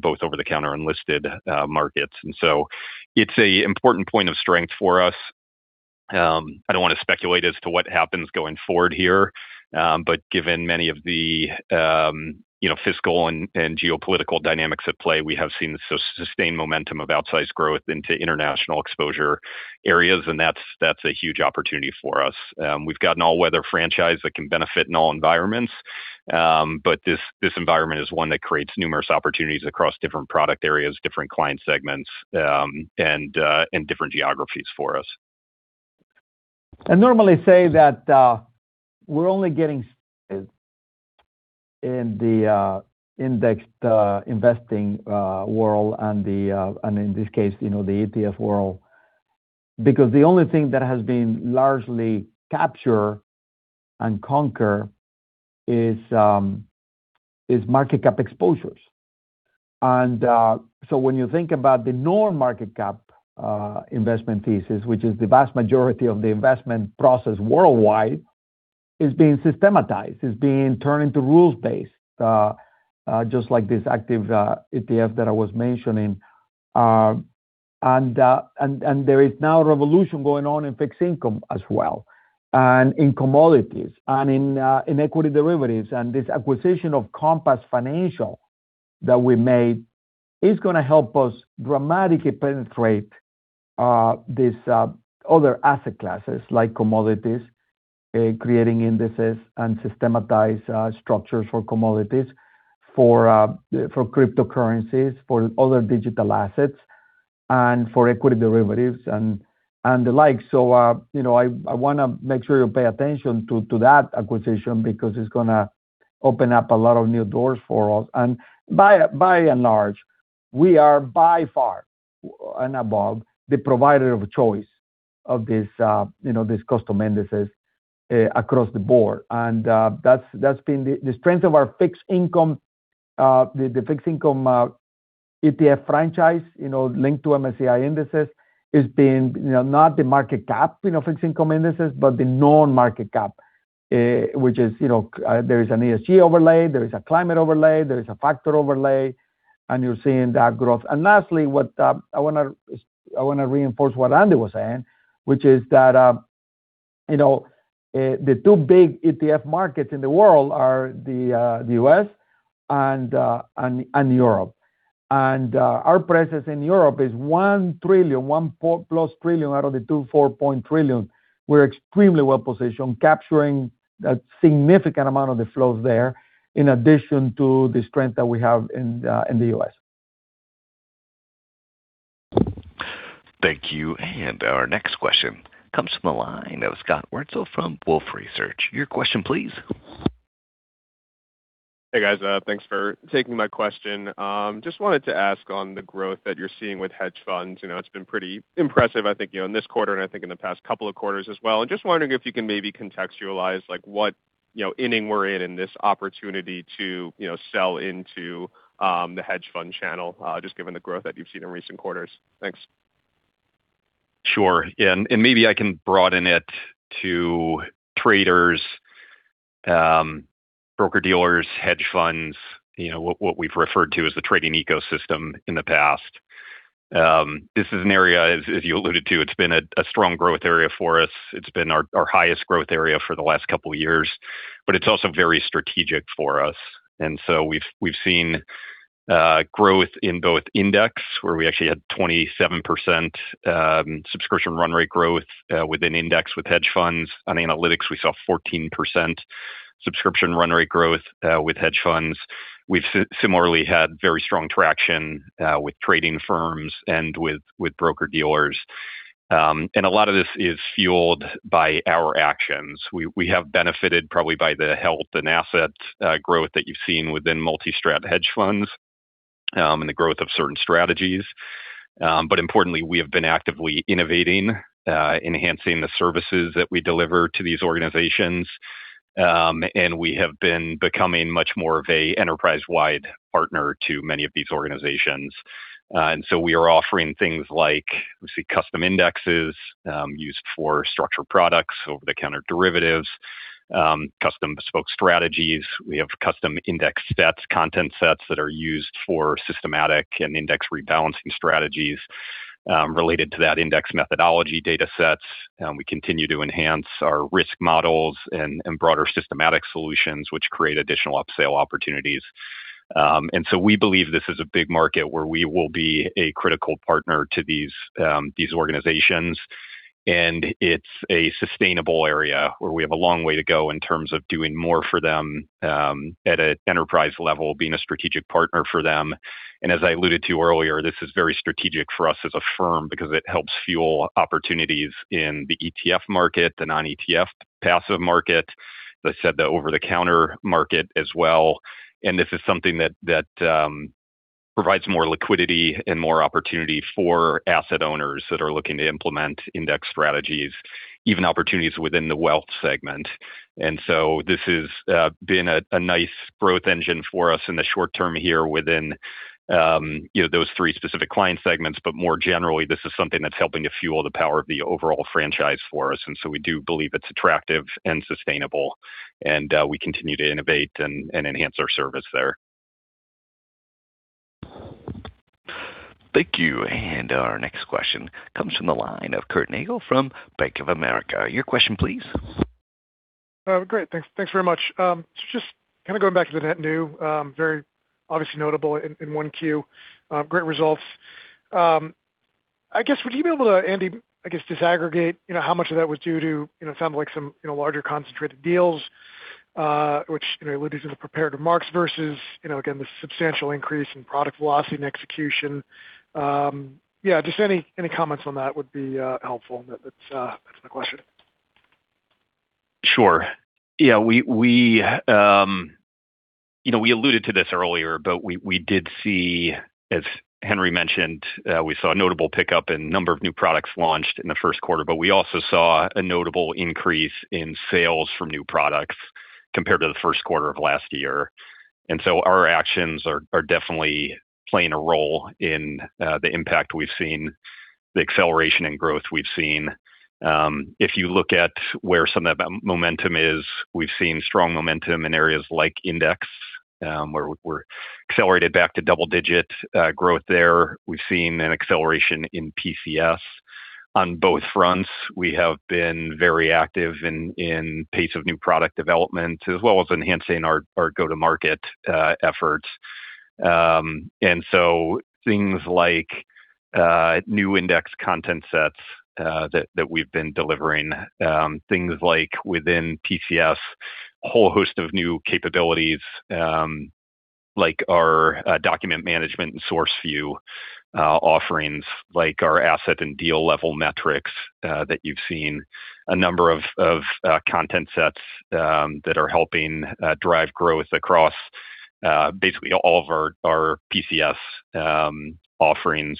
both over-the-counter and listed markets. It's an important point of strength for us. I don't want to speculate as to what happens going forward here. Given many of the fiscal and geopolitical dynamics at play, we have seen sustained momentum of outsized growth into international exposure areas, and that's a huge opportunity for us. We've got an all-weather franchise that can benefit in all environments. This environment is one that creates numerous opportunities across different product areas, different client segments, and different geographies for us. I normally say that we're only getting started in the indexed investing world and in this case, the ETF world. Because the only thing that has been largely captured and conquered is market cap exposures. When you think about the non-market cap investment thesis, which is the vast majority of the investment process worldwide, is being systematized, is being turned into rules-based, just like this active ETF that I was mentioning. There is now a revolution going on in fixed income as well, and in commodities, and in equity derivatives. This acquisition of Compass Financial that we made is going to help us dramatically penetrate these other asset classes like commodities, creating indexes and systematized structures for commodities, for cryptocurrencies, for other digital assets, and for equity derivatives and the like. I want to make sure you pay attention to that acquisition because it's going to open up a lot of new doors for us. By and large, we are by far and above the provider of choice of these Custom Indexes across the Board. That's been the strength of our fixed income ETF franchise linked to MSCI indexes is being not the market cap fixed income indexes, but the non-market cap which is there is an ESG overlay, there is a climate overlay, there is a factor overlay, and you're seeing that growth. Lastly, I want to reinforce what Andy was saying, which is that the two big ETF markets in the world are the U.S. and Europe. Our presence in Europe is $1 trillion+ out of the $2.4 trillion. We're extremely well-positioned, capturing a significant amount of the flows there, in addition to the strength that we have in the U.S. Thank you. Our next question comes from the line of Scott Wurtzel from Wolfe Research. Your question, please. Hey, guys. Thanks for taking my question. Just wanted to ask on the growth that you're seeing with hedge funds. It's been pretty impressive, I think, in this quarter and I think in the past couple of quarters as well. Just wondering if you can maybe contextualize what inning we're in this opportunity to sell into the hedge fund channel, just given the growth that you've seen in recent quarters. Thanks. Sure. Yeah. Maybe I can broaden it to traders, broker-dealers, hedge funds, what we've referred to as the trading ecosystem in the past. This is an area, as you alluded to. It's been a strong growth area for us. It's been our highest growth area for the last couple of years, but it's also very strategic for us. We've seen growth in both index, where we actually had 27% subscription run rate growth within index with hedge funds. On analytics, we saw 14% subscription run rate growth with hedge funds. We've similarly had very strong traction with trading firms and with broker-dealers. A lot of this is fueled by our actions. We have benefited probably by the health and asset growth that you've seen within multi-strat hedge funds, and the growth of certain strategies. Importantly, we have been actively innovating, enhancing the services that we deliver to these organizations. We have been becoming much more of an enterprise-wide partner to many of these organizations. We are offering things like, obviously, custom indexes used for structured products, over-the-counter derivatives, custom bespoke strategies. We have custom index sets, content sets that are used for systematic and index rebalancing strategies. Related to that index methodology data sets, we continue to enhance our risk models and broader systematic solutions, which create additional up-sale opportunities. We believe this is a big market where we will be a critical partner to these organizations. It's a sustainable area where we have a long way to go in terms of doing more for them, at an enterprise level, being a strategic partner for them. As I alluded to earlier, this is very strategic for us as a firm because it helps fuel opportunities in the ETF market, the non-ETF passive market. As I said, the over-the-counter market as well. This is something that provides more liquidity and more opportunity for asset owners that are looking to implement index strategies, even opportunities within the wealth segment. This has been a nice growth engine for us in the short term here within those three specific client segments. More generally, this is something that's helping to fuel the power of the overall franchise for us. We do believe it's attractive and sustainable, and we continue to innovate and enhance our service there. Thank you. Our next question comes from the line of Curt Nagle from Bank of America. Your question, please. Great. Thanks very much. Just kind of going back to the net new, very obviously notable in 1Q, great results. I guess, would you be able to, Andy, I guess, disaggregate how much of that was due to, it sounded like some larger concentrated deals, which alluded to the prepared remarks versus, again, the substantial increase in product velocity and execution. Yeah, just any comments on that would be helpful. That's my question. Sure. Yeah. We alluded to this earlier, but we did see, as Henry mentioned, we saw a notable pickup in number of new products launched in the first quarter, but we also saw a notable increase in sales from new products compared to the first quarter of last year. Our actions are definitely playing a role in the impact we've seen, the acceleration in growth we've seen. If you look at where some of that momentum is, we've seen strong momentum in areas like Index, where we've accelerated back to double-digit growth there. We've seen an acceleration in PCS on both fronts. We have been very active in pace of new product development, as well as enhancing our go-to-market efforts. Things like new index content sets that we've been delivering, things like within PCS, a whole host of new capabilities, like our document management and SourceView offerings, like our asset and deal level metrics that you've seen. A number of content sets that are helping drive growth across basically all of our PCS offerings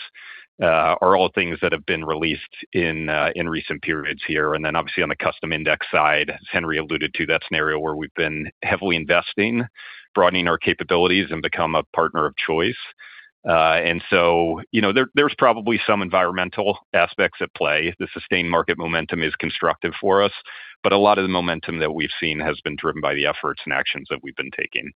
are all things that have been released in recent periods here. Obviously on the custom Index side, as Henry alluded to, that's an area where we've been heavily investing, broadening our capabilities, and become a partner of choice. There's probably some environmental aspects at play. The sustained market momentum is constructive for us, but a lot of the momentum that we've seen has been driven by the efforts and actions that we've been taking.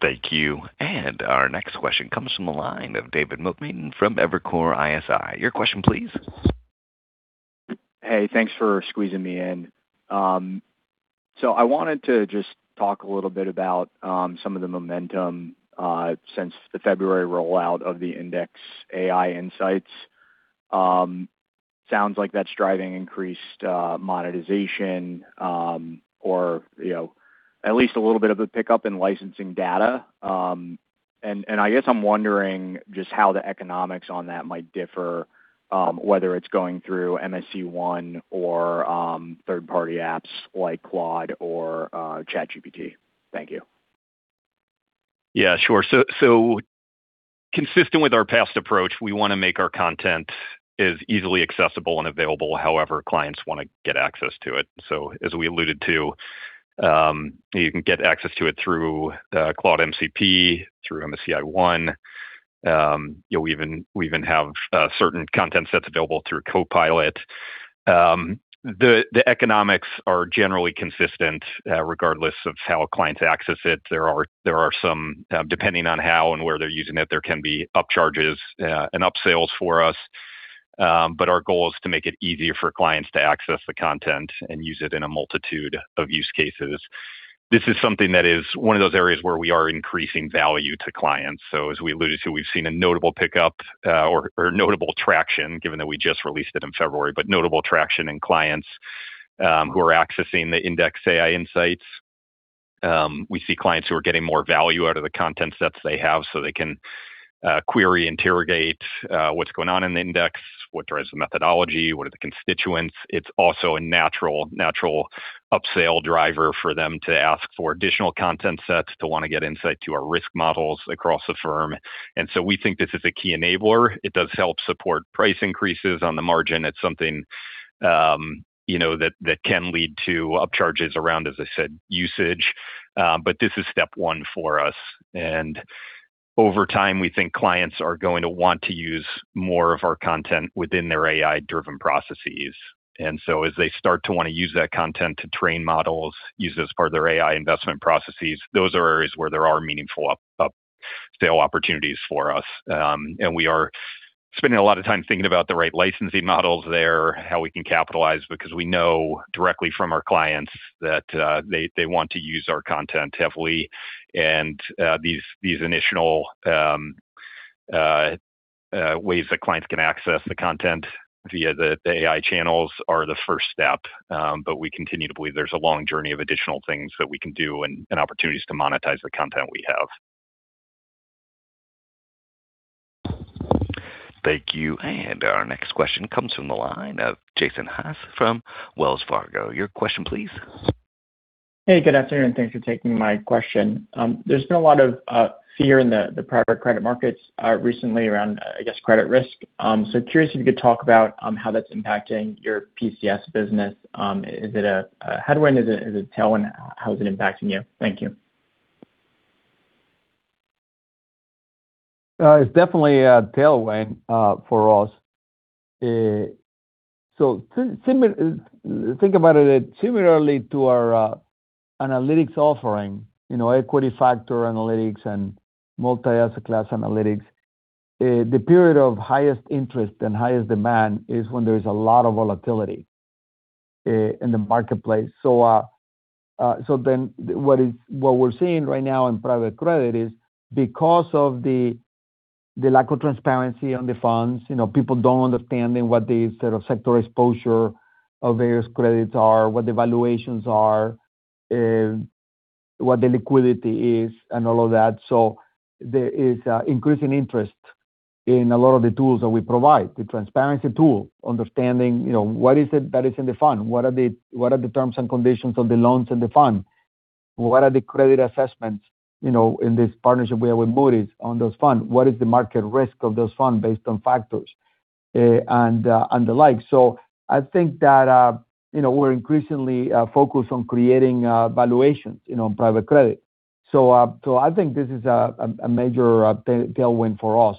Thank you. Our next question comes from the line of David Motemaden from Evercore ISI. Your question, please. Hey, thanks for squeezing me in. I wanted to just talk a little bit about some of the momentum since the February rollout of the IndexAI Insights. Sounds like that's driving increased monetization, or at least a little bit of a pickup in licensing data. I guess I'm wondering just how the economics on that might differ, whether it's going through MSCI ONE or third-party apps like Claude or ChatGPT. Thank you. Yeah, sure. Consistent with our past approach, we want to make our content as easily accessible and available however clients want to get access to it. As we alluded to, you can get access to it through the Claude MCP, through MSCI ONE. We even have certain content sets available through Copilot. The economics are generally consistent regardless of how clients access it. Depending on how and where they're using it, there can be upcharges and upsales for us. Our goal is to make it easier for clients to access the content and use it in a multitude of use cases. This is something that is one of those areas where we are increasing value to clients. As we alluded to, we've seen a notable pickup or notable traction, given that we just released it in February, but notable traction in clients who are accessing the IndexAI Insights. We see clients who are getting more value out of the content sets they have so they can query, interrogate, what's going on in the Index, what drives the methodology, what are the constituents. It's also a natural upsell driver for them to ask for additional content sets to want to get insight to our risk models across the firm. We think this is a key enabler. It does help support price increases on the margin. It's something that can lead to upcharges around, as I said, usage. This is step one for us. Over time, we think clients are going to want to use more of our content within their AI-driven processes. As they start to want to use that content to train models, use it as part of their AI investment processes, those are areas where there are meaningful upsale opportunities for us. We are spending a lot of time thinking about the right licensing models there, how we can capitalize, because we know directly from our clients that they want to use our content heavily, and these initial ways that clients can access the content via the AI channels are the first step. We continue to believe there's a long journey of additional things that we can do and opportunities to monetize the content we have. Thank you. Our next question comes from the line of Jason Haas from Wells Fargo. Your question, please. Hey, good afternoon, and thanks for taking my question. There's been a lot of fear in the private credit markets recently around, I guess, credit risk. Curious if you could talk about how that's impacting your PCS business. Is it a headwind? Is it a tailwind? How is it impacting you? Thank you. It's definitely a tailwind for us. Think about it similarly to our analytics offering, equity factor analytics and multi-asset class analytics. The period of highest interest and highest demand is when there's a lot of volatility in the marketplace. What we're seeing right now in private credit is because of the lack of transparency on the funds, people don't understand what the sort of sector exposure of various credits are, what the valuations are, what the liquidity is, and all of that. There is increasing interest in a lot of the tools that we provide, the transparency tool, understanding what is it that is in the fund, what are the terms and conditions of the loans in the fund, what are the credit assessments in this partnership we have with Moody's on those funds, what is the market risk of those funds based on factors and the like. I think that we're increasingly focused on creating valuations in private credit. I think this is a major tailwind for us.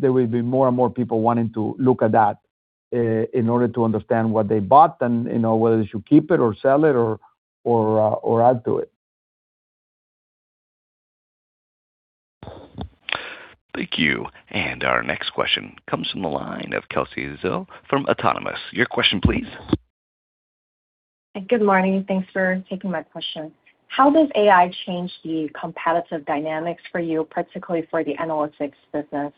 There will be more and more people wanting to look at that in order to understand what they bought and whether they should keep it or sell it or add to it. Thank you. Our next question comes from the line of Kelsey Zhu from Autonomous. Your question please. Good morning. Thanks for taking my question. How does AI change the competitive dynamics for you, particularly for the analytics business?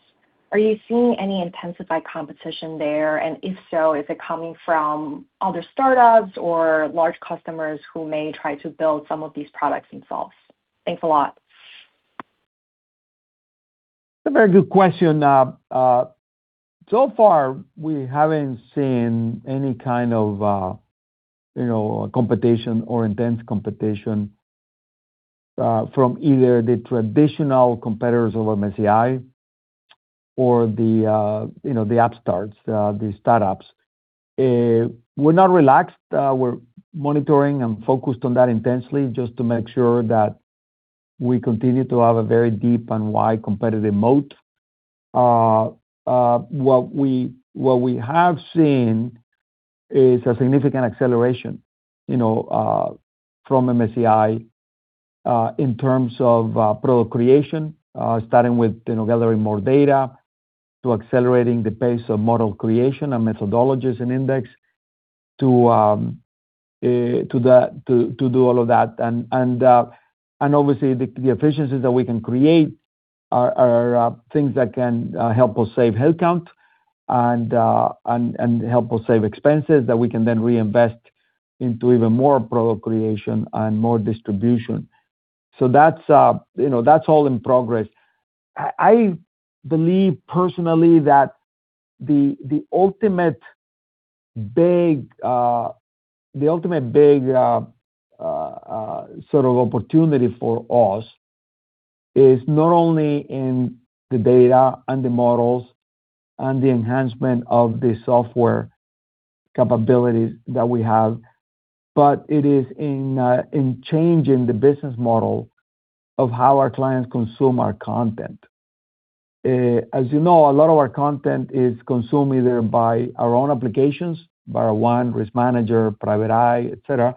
Are you seeing any intensified competition there? And if so, is it coming from other startups or large customers who may try to build some of these products themselves? Thanks a lot. A very good question. So far we haven't seen any kind of competition or intense competition from either the traditional competitors of MSCI or the upstarts, the startups. We're not relaxed. We're monitoring and focused on that intensely just to make sure that we continue to have a very deep and wide competitive moat. What we have seen is a significant acceleration from MSCI in terms of product creation, starting with gathering more data to accelerating the pace of model creation and methodologies and index to do all of that. Obviously, the efficiencies that we can create are things that can help us save headcount and help us save expenses that we can then reinvest into even more product creation and more distribution. That's all in progress. I believe personally that the ultimate big sort of opportunity for us is not only in the data and the models and the enhancement of the software capabilities that we have, but it is in changing the business model of how our clients consume our content. As you know, a lot of our content is consumed either by our own applications, BarraOne, RiskManager, Private i, et cetera,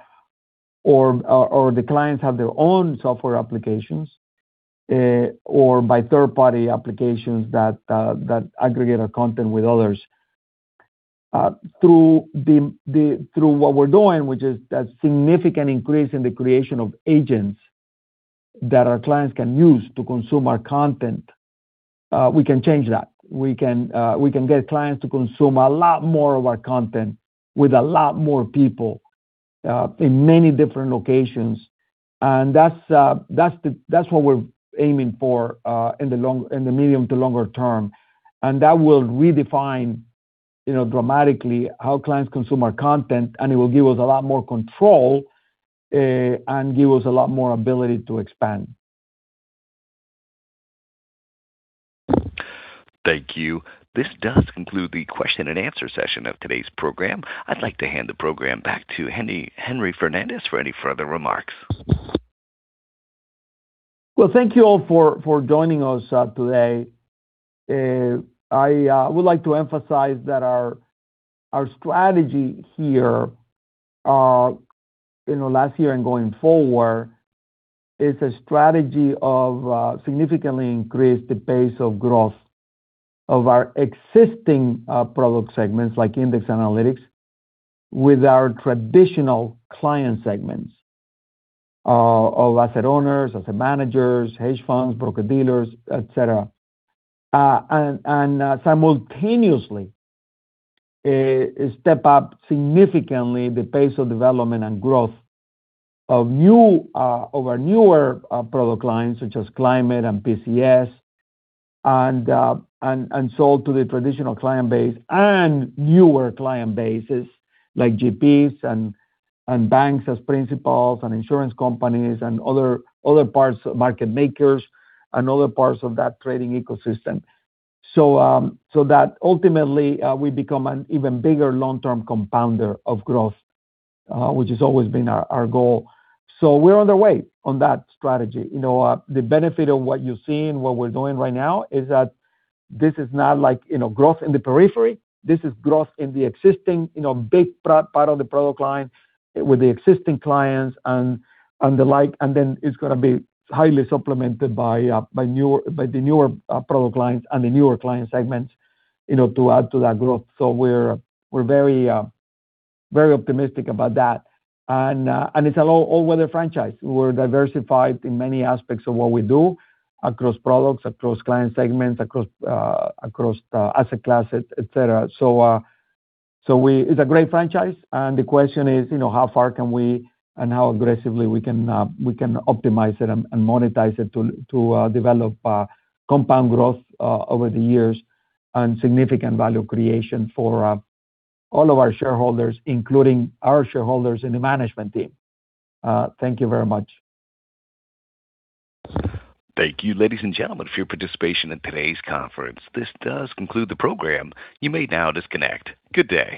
or the clients have their own software applications or by third-party applications that aggregate our content with others. Through what we're doing, which is that significant increase in the creation of agents that our clients can use to consume our content, we can change that. We can get clients to consume a lot more of our content with a lot more people in many different locations. That's what we're aiming for in the medium to longer term. That will redefine dramatically how clients consume our content, and it will give us a lot more control, and give us a lot more ability to expand. Thank you. This does conclude the question-and-answer session of today's program. I'd like to hand the program back to Henry Fernandez for any further remarks. Well, thank you all for joining us today. I would like to emphasize that our strategy here, last year and going forward, is a strategy of significantly increase the pace of growth of our existing product segments, like index analytics, with our traditional client segments of asset owners, asset managers, hedge funds, broker-dealers, et cetera. Simultaneously, step up significantly the pace of development and growth of our newer product lines such as climate and PCS, and sold to the traditional client base and newer client bases like GPs and banks as principals and insurance companies and other parts, market makers, and other parts of that trading ecosystem. That ultimately we become an even bigger long-term compounder of growth, which has always been our goal. We're on the way on that strategy. The benefit of what you're seeing, what we're doing right now is that this is not like growth in the periphery. This is growth in the existing big part of the product line with the existing clients and the like, and then it's going to be highly supplemented by the newer product lines and the newer client segments to add to that growth. We're very optimistic about that. It's an all-weather franchise. We're diversified in many aspects of what we do across products, across client segments, across asset classes, et cetera. It's a great franchise. The question is, how far can we and how aggressively we can optimize it and monetize it to develop compound growth over the years and significant value creation for all of our shareholders, including our shareholders in the management team. Thank you very much. Thank you, ladies and gentlemen, for your participation in today's conference. This does conclude the program. You may now disconnect. Good day.